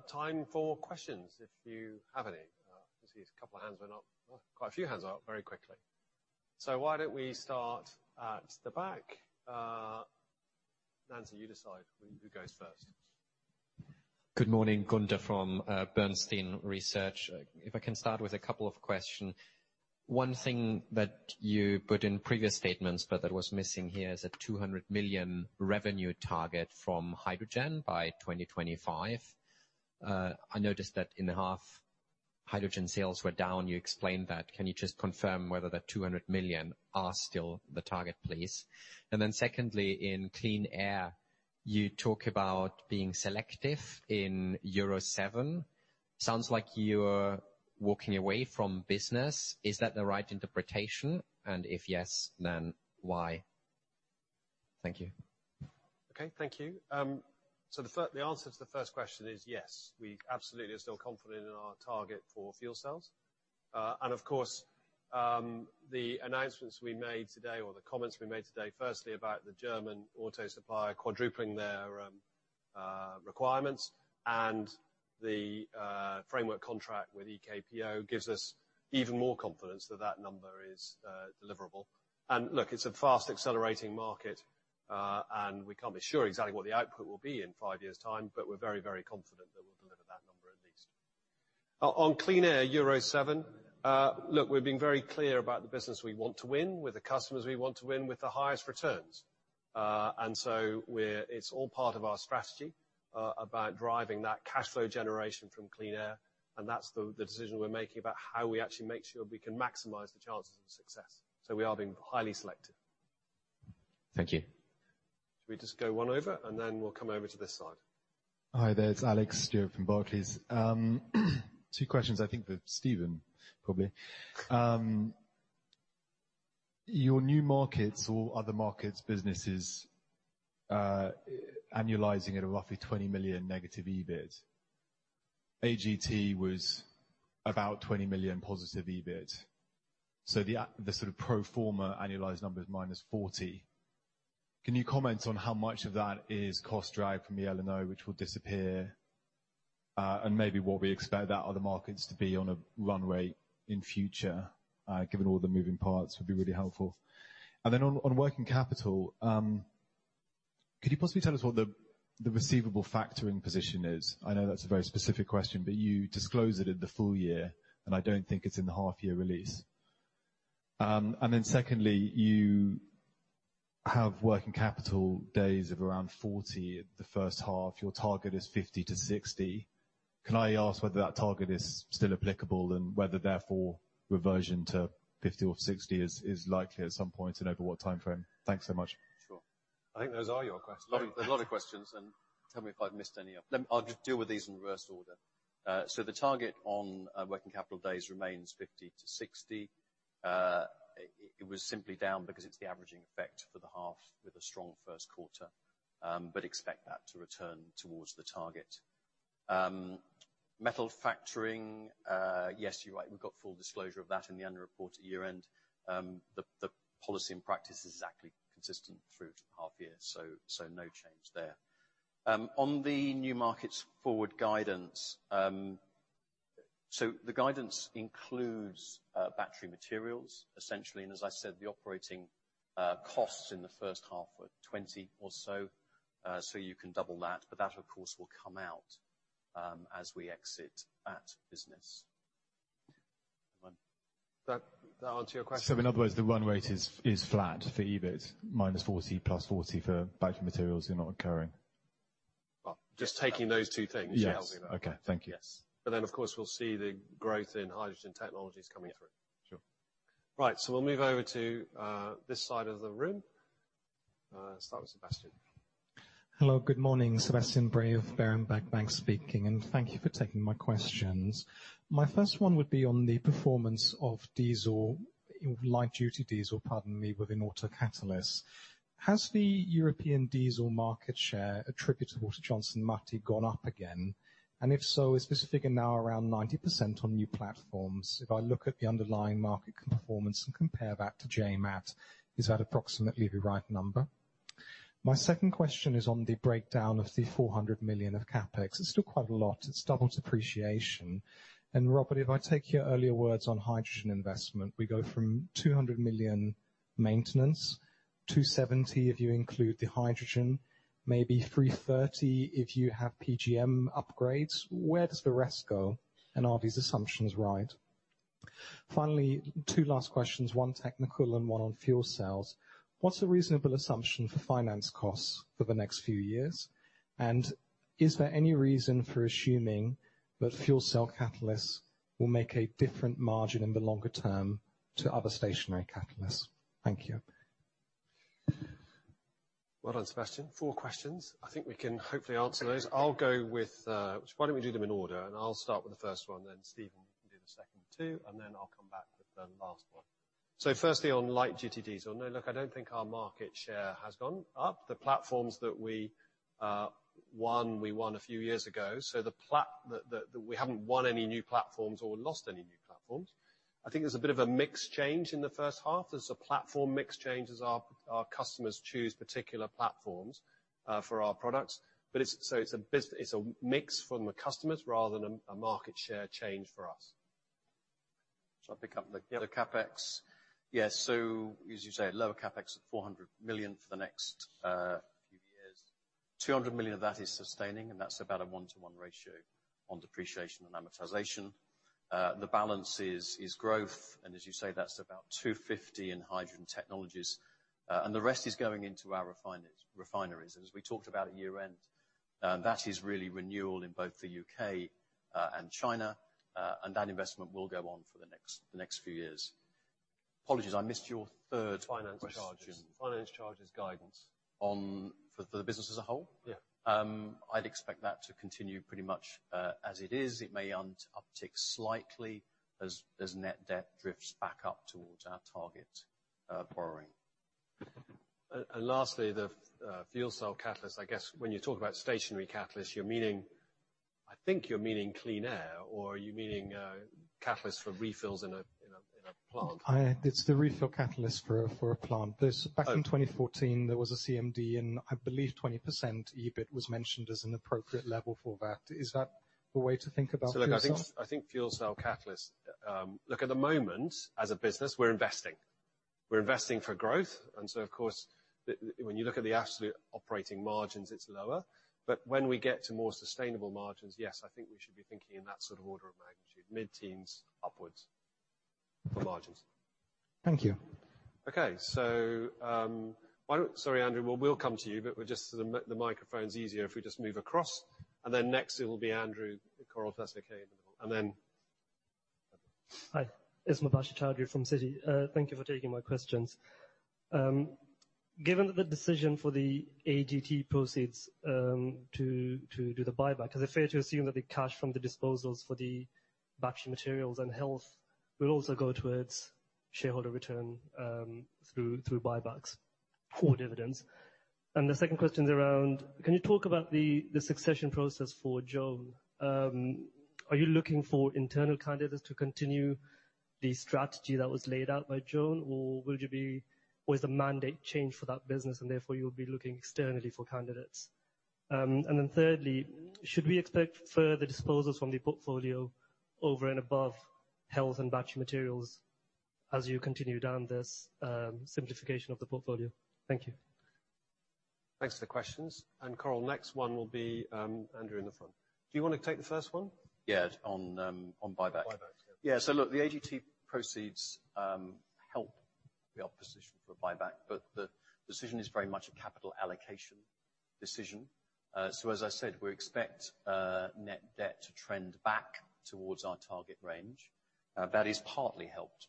time for questions if you have any. I see a couple of hands went up. Quite a few hands are up very quickly. Why don't we start at the back? Nancy, you decide who goes first. Good morning. Gunther Zechmann from Bernstein Research. If I can start with a couple of questions. One thing that you put in previous statements, but that was missing here, is a 200 million revenue target from hydrogen by 2025. I noticed that in the half, hydrogen sales were down, you explained that. Can you just confirm whether the 200 million are still the target, please? And then secondly, in Clean Air, you talk about being selective in Euro 7. Sounds like you're walking away from business. Is that the right interpretation? And if yes, then why? Thank you. Okay, thank you. The answer to the first question is yes, we absolutely are still confident in our target for fuel cells. Of course, the announcements we made today or the comments we made today, firstly about the German auto supplier quadrupling their requirements and the framework contract with EKPO gives us even more confidence that that number is deliverable. Look, it's a fast-accelerating market, and we can't be sure exactly what the output will be in five years' time, but we're very, very confident that we'll deliver that number at least. On Clean Air, Euro 7, look, we're being very clear about the business we want to win, with the customers we want to win with the highest returns. It's all part of our strategy about driving that cash flow generation from Clean Air, and that's the decision we're making about how we actually make sure we can maximize the chances of success. We are being highly selective. Thank you. Should we just go one over, and then we'll come over to this side. Hi there, it's Alex Stewart from Barclays. Two questions I think for Stephen, probably. Your new markets or other markets businesses, annualizing at a roughly negative 20 million EBIT. AGT was about positive 20 million EBIT. So the sort of pro forma annualized number is minus 40 million. Can you comment on how much of that is cost derived from the eLNO, which will disappear? And maybe what we expect that other markets to be on a run rate in future, given all the moving parts would be really helpful. Then on working capital, could you possibly tell us what the receivable factoring position is? I know that's a very specific question, but you disclose it in the full year, and I don't think it's in the half year release. Secondly, you have working capital days of around 40 in the first half. Your target is 50-60. Can I ask whether that target is still applicable and whether therefore reversion to 50 or 60 is likely at some point and over what timeframe? Thanks so much. Sure. I think those are your questions. A lot of questions, and tell me if I've missed any. I'll just deal with these in reverse order. The target on working capital days remains 50-60. It was simply down because it's the averaging effect for the half with a strong first quarter, but expect that to return towards the target. Metal factoring, yes, you're right. We've got full disclosure of that in the annual report at year-end. The policy and practice is exactly consistent through to the half year, so no change there. On the new markets forward guidance, The guidance includes Battery Materials, essentially. As I said, the operating costs in the first half were 20 or so. You can double that. That, of course, will come out as we exit that business. Does that answer your question? In other words, the run rate is flat for EBIT, _+40 for Battery Materials are not occurring. Well, just taking those two things. Yes. Helping that. Okay. Thank you. Yes. Of course, we'll see the growth in hydrogen technologies coming through. Sure. Right. We'll move over to this side of the room. Start with Sebastian. Hello. Good morning. Sebastian Bray of Berenberg Bank speaking, and thank you for taking my questions. My first one would be on the performance of diesel, light duty diesel, pardon me, within auto catalyst. Has the European diesel market share attributable to Johnson Matthey gone up again? And if so, is this figure now around 90% on new platforms? If I look at the underlying market performance and compare that to JMAT, is that approximately the right number? My second question is on the breakdown of the 400 million of CapEx. It's still quite a lot. It's double depreciation. Robert, if I take your earlier words on hydrogen investment, we go from 200 million maintenance, 270 if you include the hydrogen, maybe 330 if you have PGM upgrades. Where does the rest go? And are these assumptions right? Finally, two last questions, one technical and one on fuel cells. What's a reasonable assumption for finance costs for the next few years? And is there any reason for assuming that fuel cell catalysts will make a different margin in the longer term to other stationary catalysts? Thank you. Well done, Sebastian. Four questions. I think we can hopefully answer those. I'll go with. Why don't we do them in order, and I'll start with the first one, then Stephen can do the second two, and then I'll come back with the last one. Firstly, on light duty diesel. No, look, I don't think our market share has gone up. The platforms that we won, we won a few years ago. We haven't won any new platforms or lost any new platforms. I think there's a bit of a mix change in the first half. There's a platform mix change as our customers choose particular platforms for our products. But it's a mix from the customers rather than a market share change for us. Shall I pick up the CapEx? Yeah. Yes. As you say, a lower CapEx of 400 million for the next few years. 200 million of that is sustaining, and that's about a one-to-one ratio on depreciation and amortization. The balance is growth, and as you say, that's about 250 million in hydrogen technologies. The rest is going into our refineries. As we talked about at year-end, that is really renewal in both the U.K. and China, and that investment will go on for the next few years. Apologies, I missed your third question. Finance charges. Finance charges guidance. For the business as a whole? Yeah. I'd expect that to continue pretty much as it is. It may on uptick slightly as net debt drifts back up towards our target borrowing. Lastly, the fuel cell catalyst. I guess when you talk about stationary catalyst, I think you're meaning Clean Air, or are you meaning catalyst for refills in a plant? It's the refill catalyst for a plant. Oh. Back in 2014, there was a CMD and I believe 20% EBIT was mentioned as an appropriate level for that. Is that the way to think about fuel cell? Look, I think fuel cell catalyst. Look at the moment as a business, we're investing. We're investing for growth. Of course, when you look at the absolute operating margins, it's lower. When we get to more sustainable margins, yes, I think we should be thinking in that sort of order of magnitude, mid-teens upwards for margins. Thank you. Okay. Why don't Sorry, Andrew. We'll come to you, but the microphone's easier if we just move across. Next it will be Andrew at Coller Capital. Hi. It's Mubasher Chaudhry from Citi. Thank you for taking my questions. Given the decision for the AGT proceeds to do the buyback, is it fair to assume that the cash from the disposals for the Battery Materials and Health will also go towards shareholder return through buybacks or dividends? The second question is around, can you talk about the succession process for Jane Toogood? Are you looking for internal candidates to continue the strategy that was laid out by Jane Toogood or is the mandate changed for that business and therefore you'll be looking externally for candidates? Thirdly, should we expect further disposals from the portfolio over and above Health and Battery Materials as you continue down this simplification of the portfolio? Thank you. Thanks for the questions. Coral, next one will be Andrew in the front. Do you wanna take the first one? Yeah. On buyback. Buyback, yeah. Yeah. Look, the AGT proceeds help the option for buyback, but the decision is very much a capital allocation decision. As I said, we expect net debt to trend back towards our target range. That is partly helped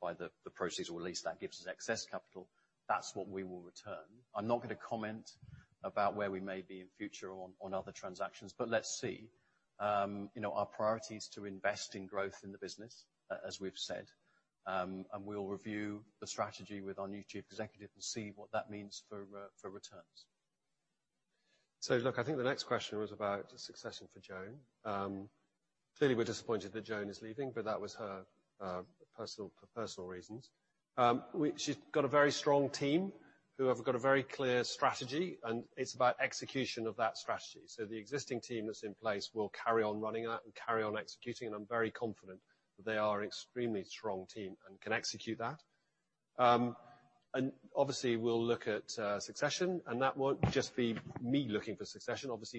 by the proceeds, or at least that gives us excess capital. That's what we will return. I'm not gonna comment about where we may be in future on other transactions, but let's see. You know, our priority is to invest in growth in the business, as we've said, and we'll review the strategy with our new Chief Executive and see what that means for returns. Look, I think the next question was about succession for Jane Toogood. Clearly we're disappointed that Jane Toogood is leaving, but that was her personal reasons. She's got a very strong team who have got a very clear strategy, and it's about execution of that strategy. The existing team that's in place will carry on running that and carry on executing, and I'm very confident that they are extremely strong team and can execute that. Obviously, we'll look at succession, and that won't just be me looking for succession. This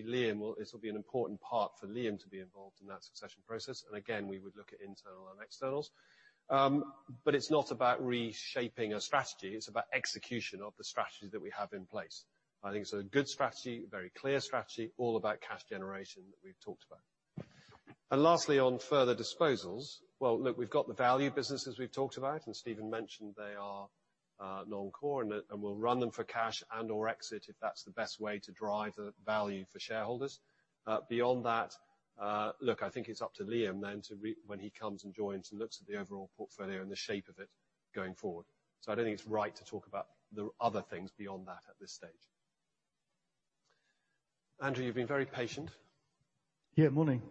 will be an important part for Liam to be involved in that succession process. Again, we would look at internal and externals. It's not about reshaping a strategy, it's about execution of the strategies that we have in place. I think it's a good strategy, very clear strategy, all about cash generation that we've talked about. Lastly, on further disposals. Well, look, we've got the value businesses we've talked about, and Stephen mentioned they are non-core, and we'll run them for cash and/or exit if that's the best way to drive the value for shareholders. Beyond that, look, I think it's up to Liam then, when he comes and joins and looks at the overall portfolio and the shape of it going forward. I don't think it's right to talk about the other things beyond that at this stage. Andrew, you've been very patient. Morning.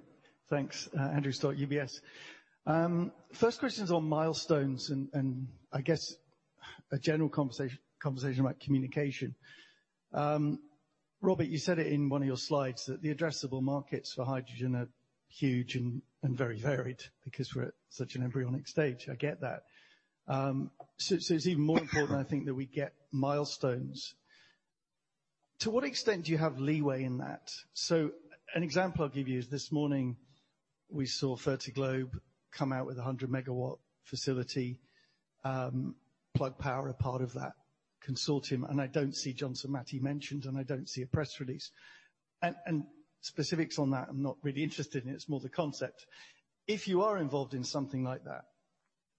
Thanks. Andrew Stott, UBS. First question's on milestones and I guess a general conversation about communication. Robert, you said it in one of your slides that the addressable markets for hydrogen are huge and very varied because we're at such an embryonic stage. I get that. It's even more important I think that we get milestones. To what extent do you have leeway in that? An example I'll give you is this morning we saw Fertiglobe come out with a 100 MW facility, Plug Power, a part of that consortium. I don't see Johnson Matthey mentioned, and I don't see a press release. Specifics on that, I'm not really interested in, it's more the concept. If you are involved in something like that,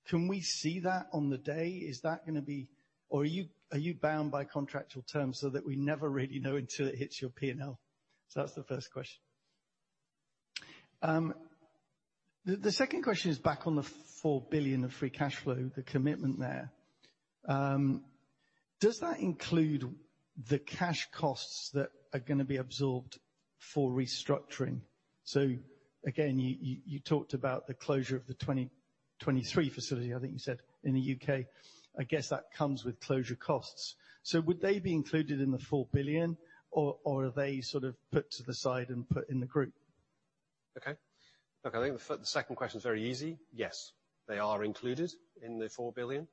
can we see that on the day? Or are you bound by contractual terms so that we never really know until it hits your P&L? That's the first question. The second question is back on the £4 billion of free cash flow, the commitment there. Does that include the cash costs that are gonna be absorbed for restructuring? Again, you talked about the closure of the 2023 facility, I think you said, in the U.K. I guess that comes with closure costs. Would they be included in the £4 billion or are they sort of put to the side and put in the group? Okay. Look, I think the second question is very easy. Yes, they are included in the 4 billion.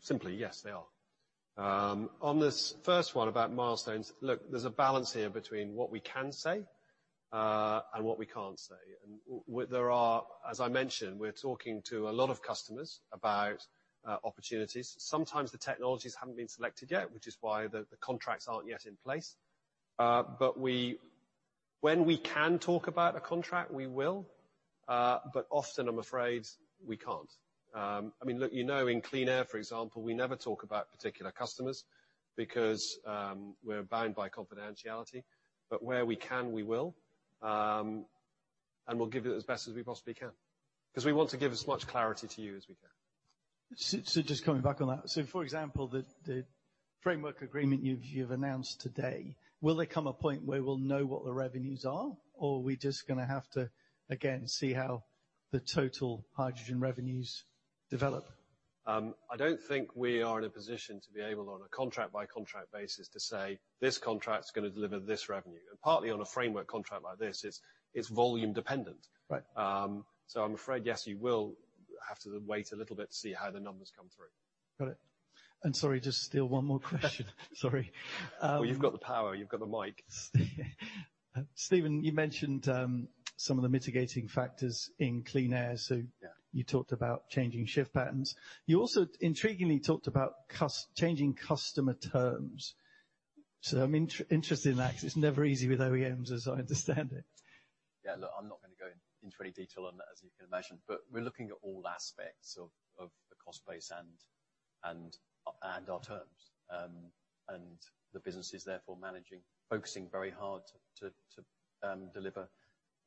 Simply, yes, they are. On this first one about milestones. Look, there's a balance here between what we can say, and what we can't say. There are, as I mentioned, we're talking to a lot of customers about opportunities. Sometimes the technologies haven't been selected yet, which is why the contracts aren't yet in place. When we can talk about a contract, we will. Often I'm afraid we can't. I mean, look, you know, in Clean Air, for example, we never talk about particular customers because we're bound by confidentiality. Where we can, we will, and we'll give you as best as we possibly can. 'Cause we want to give as much clarity to you as we can. Just coming back on that. For example, the framework agreement you've announced today, will there come a point where we'll know what the revenues are, or are we just gonna have to again see how the total hydrogen revenues develop? I don't think we are in a position to be able, on a contract by contract basis to say, "This contract's gonna deliver this revenue." Partly on a framework contract like this, it's volume dependent. Right. I'm afraid, yes, you will have to wait a little bit to see how the numbers come through. Got it. Sorry, just still one more question. Sorry. Well, you've got the power, you've got the mic. Stephen, you mentioned some of the mitigating factors in Clean Air. Yeah. You talked about changing shift patterns. You also intriguingly talked about changing customer terms. I'm interested in that 'cause it's never easy with OEMs as I understand it. Yeah. Look, I'm not gonna go into any detail on that, as you can imagine. We're looking at all aspects of the cost base and our terms. The business is therefore managing, focusing very hard to deliver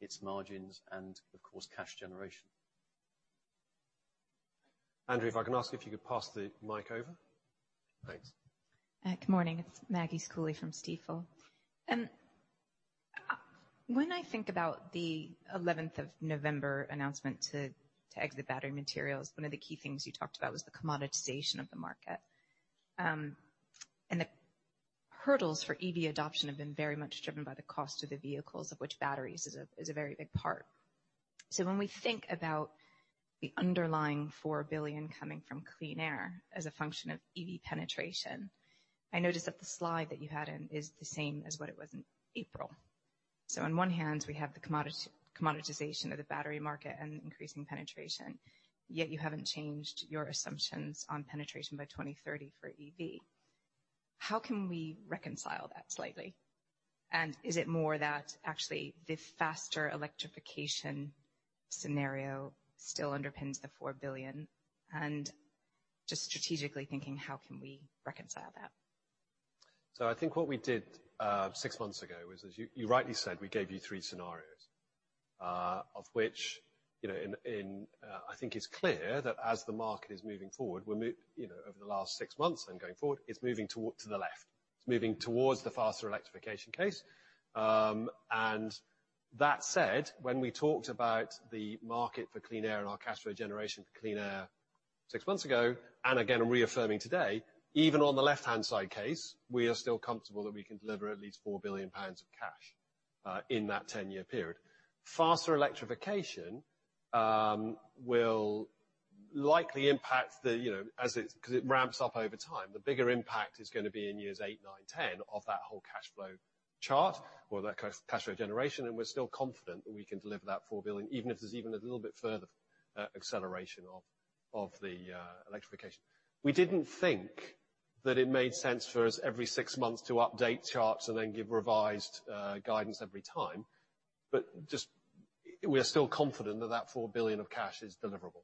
its margins and of course, cash generation. Andrew, if I can ask if you could pass the mic over. Thanks. Good morning. It's Maggie Schooley from Stifel. When I think about the eleventh of November announcement to exit Battery Materials, one of the key things you talked about was the commoditization of the market. The hurdles for EV adoption have been very much driven by the cost of the vehicles, of which batteries is a very big part. When we think about the underlying 4 billion coming from Clean Air as a function of EV penetration, I noticed that the slide that you had in is the same as what it was in April. On one hand we have the commoditization of the battery market and increasing penetration, yet you haven't changed your assumptions on penetration by 2030 for EV. How can we reconcile that slightly? Is it more that actually the faster electrification scenario still underpins the 4 billion? Just strategically thinking, how can we reconcile that? I think what we did six months ago was, as you rightly said, we gave you three scenarios. Of which, you know, I think it's clear that as the market is moving forward, we're you know, over the last six months and going forward, it's moving to the left. It's moving towards the faster electrification case. That said, when we talked about the market for Clean Air and our cash flow generation for Clean Air six months ago, and again I'm reaffirming today, even on the left-hand side case, we are still comfortable that we can deliver at least 4 billion pounds of cash in that 10 year period. Faster electrification will likely impact the, you know, as it, 'cause it ramps up over time. The bigger impact is gonna be in years eight, nine, 10 of that whole cash flow chart or that cash flow generation, and we're still confident that we can deliver that 4 billion even if there's even a little bit further acceleration of the electrification. We didn't think that it made sense for us every six months to update charts and then give revised guidance every time. We're still confident that that 4 billion of cash is deliverable.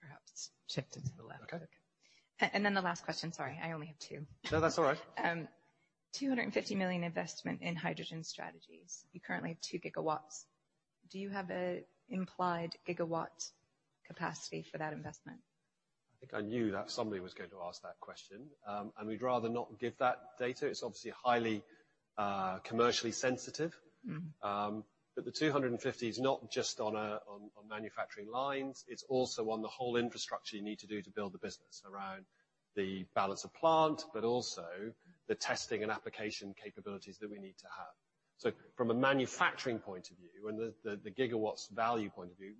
Perhaps shift it to the left. Okay. The last question. Sorry, I only have two. No, that's all right. 250 million investment in hydrogen strategies. You currently have 2 GW. Do you have an implied gigawatt capacity for that investment? I think I knew that somebody was going to ask that question. We'd rather not give that data. It's obviously highly commercially sensitive. Mm-hmm. 250 is not just on manufacturing lines, it's also on the whole infrastructure you need to do to build the business around the balance of plant, but also the testing and application capabilities that we need to have. From a manufacturing point of view and the gigawatts value point of view,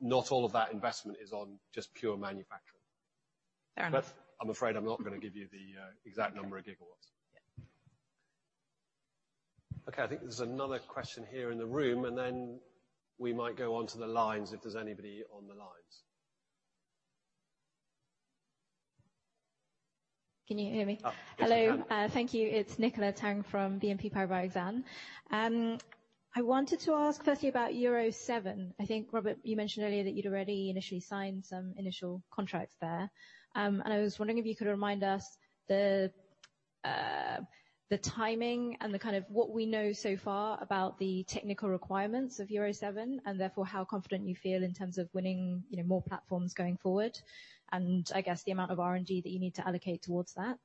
not all of that investment is on just pure manufacturing. Fair enough. I'm afraid I'm not gonna give you the exact number of gigawatts. Yeah. Okay. I think there's another question here in the room, and then we might go onto the lines if there's anybody on the lines. Can you hear me? Oh, yes we can. Hello. Thank you. It's Nicola Tang from BNP Paribas Exane. I wanted to ask firstly about Euro 7. I think, Robert, you mentioned earlier that you'd already initially signed some initial contracts there. I was wondering if you could remind us the timing and the kind of what we know so far about the technical requirements of Euro 7, and therefore how confident you feel in terms of winning, you know, more platforms going forward, and I guess the amount of R&D that you need to allocate towards that.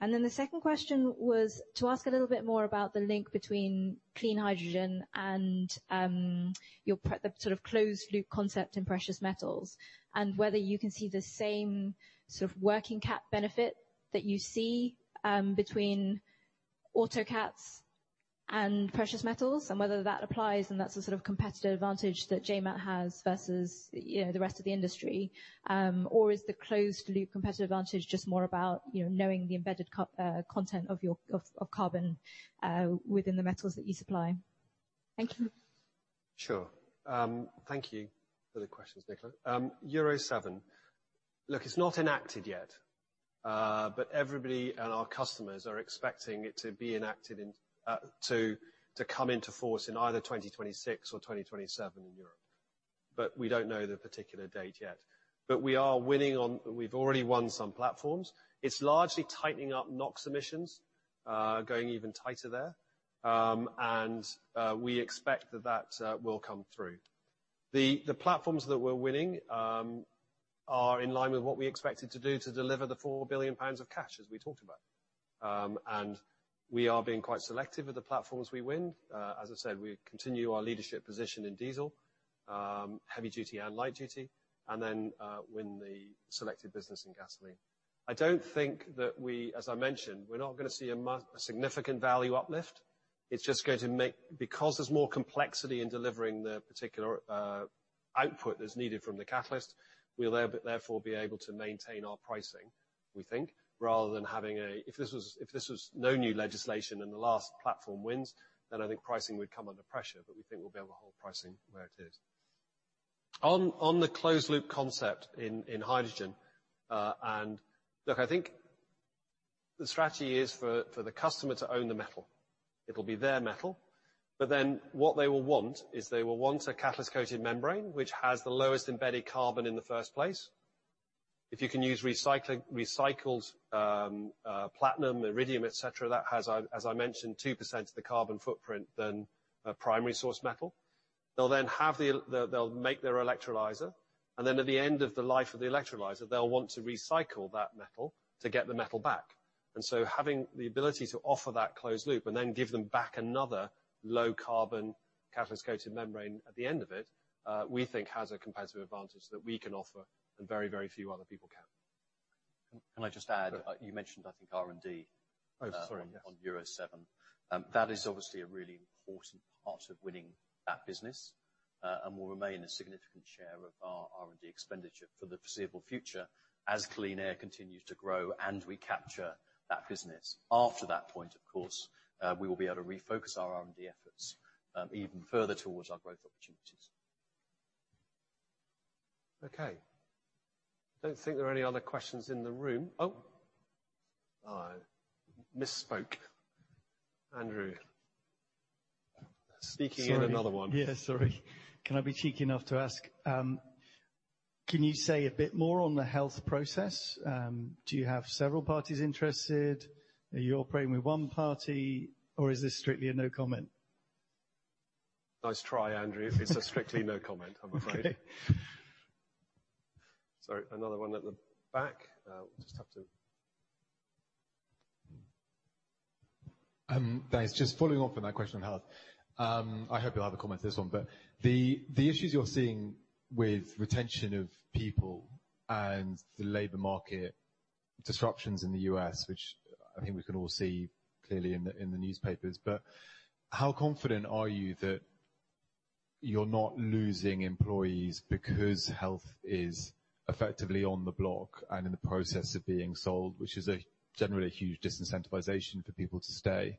The second question was to ask a little bit more about the link between clean hydrogen and your PGM, the sort of closed loop concept in precious metals and whether you can see the same sort of working capital benefit that you see between auto cats and precious metals and whether that applies and that's the sort of competitive advantage that JMAT has versus, you know, the rest of the industry. Or is the closed loop competitive advantage just more about, you know, knowing the embedded carbon content within the metals that you supply? Thank you. Sure. Thank you for the questions, Nicola. Euro 7. Look, it's not enacted yet, but everybody and our customers are expecting it to be enacted in, to come into force in either 2026 or 2027 in Europe, but we don't know the particular date yet. We are winning. We've already won some platforms. It's largely tightening up NOx emissions, going even tighter there. We expect that will come through. The platforms that we're winning are in line with what we expected to do to deliver the 4 billion pounds of cash, as we talked about. We are being quite selective with the platforms we win. As I said, we continue our leadership position in diesel, heavy duty and light duty, and then win the selected business in gasoline. I don't think that we, as I mentioned, we're not gonna see a significant value uplift. It's just going to make. Because there's more complexity in delivering the particular output that's needed from the catalyst, we'll therefore be able to maintain our pricing, we think, rather than having a. If this was no new legislation and the last platform wins, then I think pricing would come under pressure. We think we'll be able to hold pricing where it is. On the closed loop concept in hydrogen, and look, I think the strategy is for the customer to own the metal. It'll be their metal. But then what they will want is they will want a catalyst-coated membrane, which has the lowest embedded carbon in the first place. If you can use recycled platinum, iridium, et cetera, that has, as I mentioned, 2% of the carbon footprint of a primary source metal. They'll then make their electrolyzer, and then at the end of the life of the electrolyzer, they'll want to recycle that metal to get the metal back. Having the ability to offer that closed-loop and then give them back another low-carbon catalyst-coated membrane at the end of it, we think has a competitive advantage that we can offer and very, very few other people can. Can I just add Go ahead. You mentioned, I think R&D. Oh, sorry. Yes On Euro 7. That is obviously a really important part of winning that business, and will remain a significant share of our R&D expenditure for the foreseeable future as Clean Air continues to grow and we capture that business. After that point, of course, we will be able to refocus our R&D efforts, even further towards our growth opportunities. Okay. I don't think there are any other questions in the room. Oh, I misspoke. Andrew speaking in another room. Sorry. Yeah, sorry. Can I be cheeky enough to ask, can you say a bit more on the Health process? Do you have several parties interested? Are you operating with one party or is this strictly a no comment? Nice try, Andrew. It's a strictly no comment, I'm afraid. Okay. Sorry. Another one at the back. We'll just have to That is just following up on that question on Health. I hope you'll have a comment to this one, but the issues you're seeing with retention of people and the labor market disruptions in the U.S., which I think we can all see clearly in the newspapers, but how confident are you that you're not losing employees because Health is effectively on the block and in the process of being sold, which is generally a huge disincentivization for people to stay?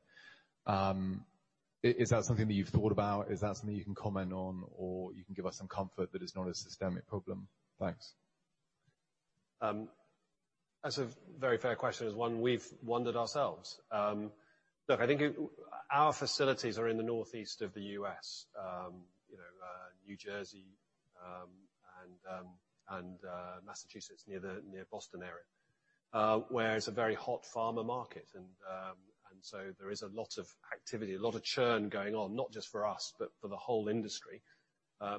Is that something that you've thought about? Is that something you can comment on, or you can give us some comfort that it's not a systemic problem? Thanks. That's a very fair question. It's one we've wondered ourselves. Our facilities are in the northeast of the U.S., you know, New Jersey, and Massachusetts, near the Boston area, where it's a very hot pharma market and so there is a lot of activity, a lot of churn going on, not just for us, but for the whole industry.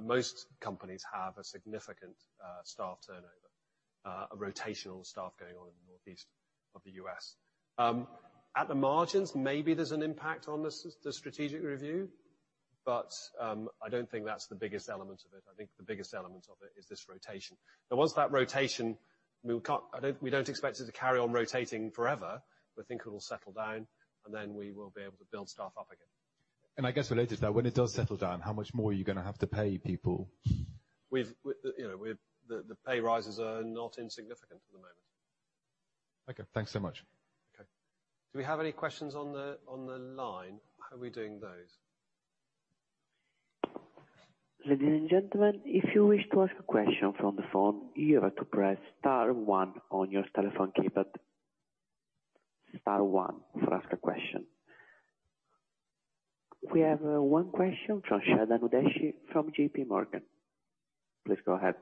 Most companies have a significant staff turnover, a rotational staff going on in the northeast of the U.S. At the margins, maybe there's an impact on the strategic review, but I don't think that's the biggest element of it. I think the biggest element of it is this rotation. Once that rotation, we don't expect it to carry on rotating forever. We think it'll settle down, and then we will be able to build staff up again. I guess related to that, when it does settle down, how much more are you gonna have to pay people? you know, with the pay rises are not insignificant at the moment. Okay, thanks so much. Okay. Do we have any questions on the line? How are we doing those? Ladies and gentlemen, if you wish to ask a question from the phone, you have to Press Star one on your telephone keypad. Star one to ask a question. We have one question from Chetan Udeshi from JP Morgan. Please go ahead.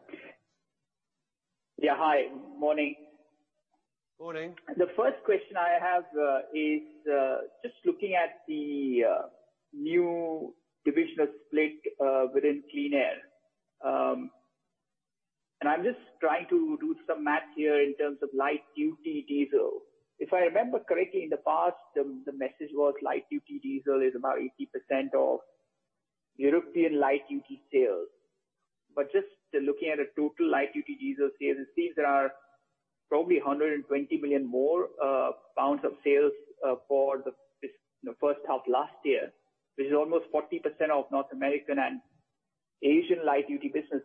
Yeah. Hi. Morning. Morning. The first question I have is just looking at the new divisional split within Clean Air. I'm just trying to do some math here in terms of light-duty diesel. If I remember correctly, in the past, the message was light-duty diesel is about 80% of European light-duty sales. Just looking at a total light-duty diesel sales, it seems there are probably 120 million more pounds of sales for this first half last year, which is almost 40% of North American and Asian light-duty business.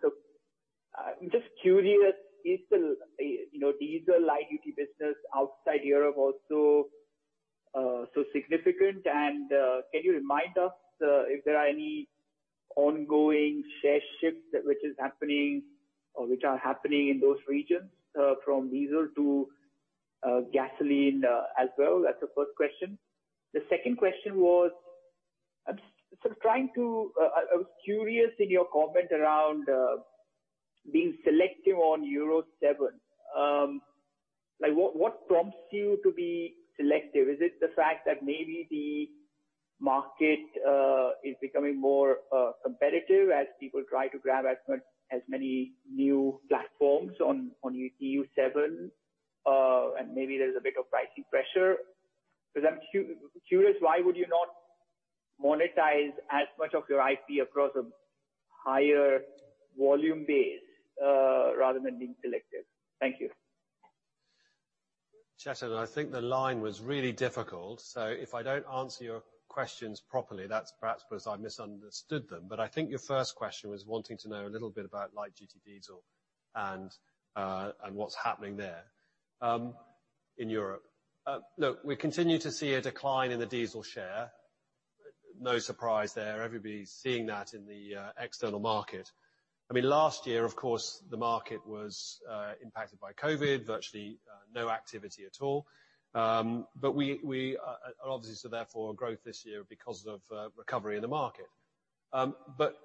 I'm just curious, you know, is the diesel light-duty business outside Europe also so significant? Can you remind us if there are any ongoing share shifts which are happening in those regions from diesel to gasoline as well? That's the first question. The second question was, I was curious in your comment around being selective on Euro 7. Like, what prompts you to be selective? Is it the fact that maybe the market is becoming more competitive as people try to grab as many new platforms on Euro 7 and maybe there's a bit of pricing pressure? 'Cause I'm curious, why would you not monetize as much of your IP across a higher volume base rather than being selective? Thank you. Chetan, I think the line was really difficult, so if I don't answer your questions properly, that's perhaps because I misunderstood them. I think your first question was wanting to know a little bit about light-duty diesel and what's happening there in Europe. Look, we continue to see a decline in the diesel share. No surprise there. Everybody's seeing that in the external market. I mean, last year, of course, the market was impacted by COVID, virtually no activity at all. We obviously so therefore growth this year because of recovery in the market.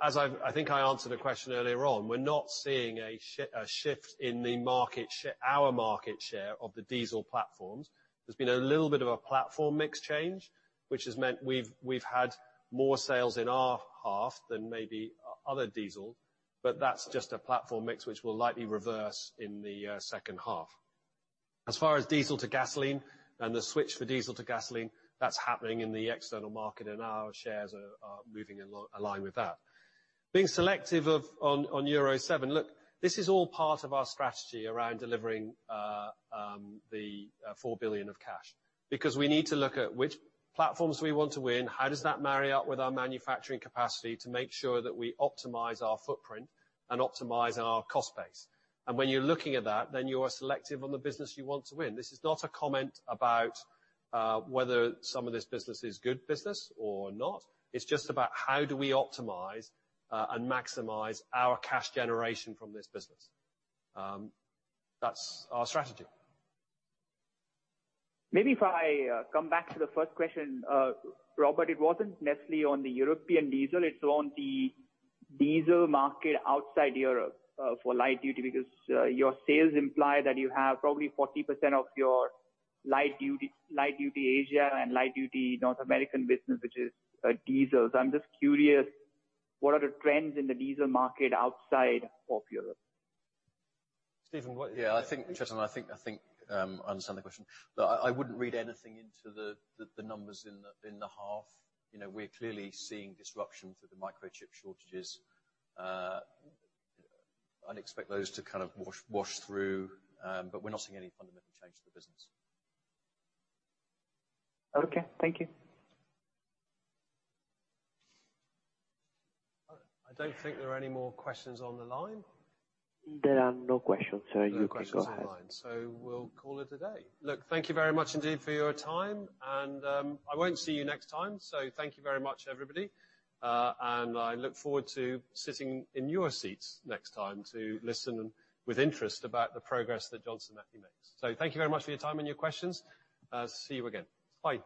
As I've, I think I answered a question earlier on, we're not seeing a shift in the market share, our market share of the diesel platforms. There's been a little bit of a platform mix change, which has meant we've had more sales in our half than maybe other diesel, but that's just a platform mix which will likely reverse in the second half. As far as diesel to gasoline and the switch for diesel to gasoline, that's happening in the external market, and our shares are moving in line with that. Being selective on Euro 7, look, this is all part of our strategy around delivering the 4 billion of cash. Because we need to look at which platforms we want to win, how does that marry up with our manufacturing capacity to make sure that we optimize our footprint and optimize our cost base. When you're looking at that, then you are selective on the business you want to win. This is not a comment about whether some of this business is good business or not. It's just about how do we optimize and maximize our cash generation from this business. That's our strategy. Maybe if I come back to the first question, Robert, it wasn't necessarily on the European diesel, it's on the diesel market outside Europe, for light-duty, because your sales imply that you have probably 40% of your light-duty Asia and light-duty North American business, which is diesel. So I'm just curious, what are the trends in the diesel market outside of Europe? Stephen, what- Yeah, I think, Chetan, I understand the question. Look, I wouldn't read anything into the numbers in the half. You know, we're clearly seeing disruption through the microchip shortages. I'd expect those to kind of wash through, but we're not seeing any fundamental change to the business. Okay. Thank you. I don't think there are any more questions on the line. There are no questions, sir. You can go ahead. No questions on the line, so we'll call it a day. Look, thank you very much indeed for your time, and I won't see you next time, so thank you very much, everybody. I look forward to sitting in your seats next time to listen with interest about the progress that Johnson Matthey makes. Thank you very much for your time and your questions. I'll see you again. Bye.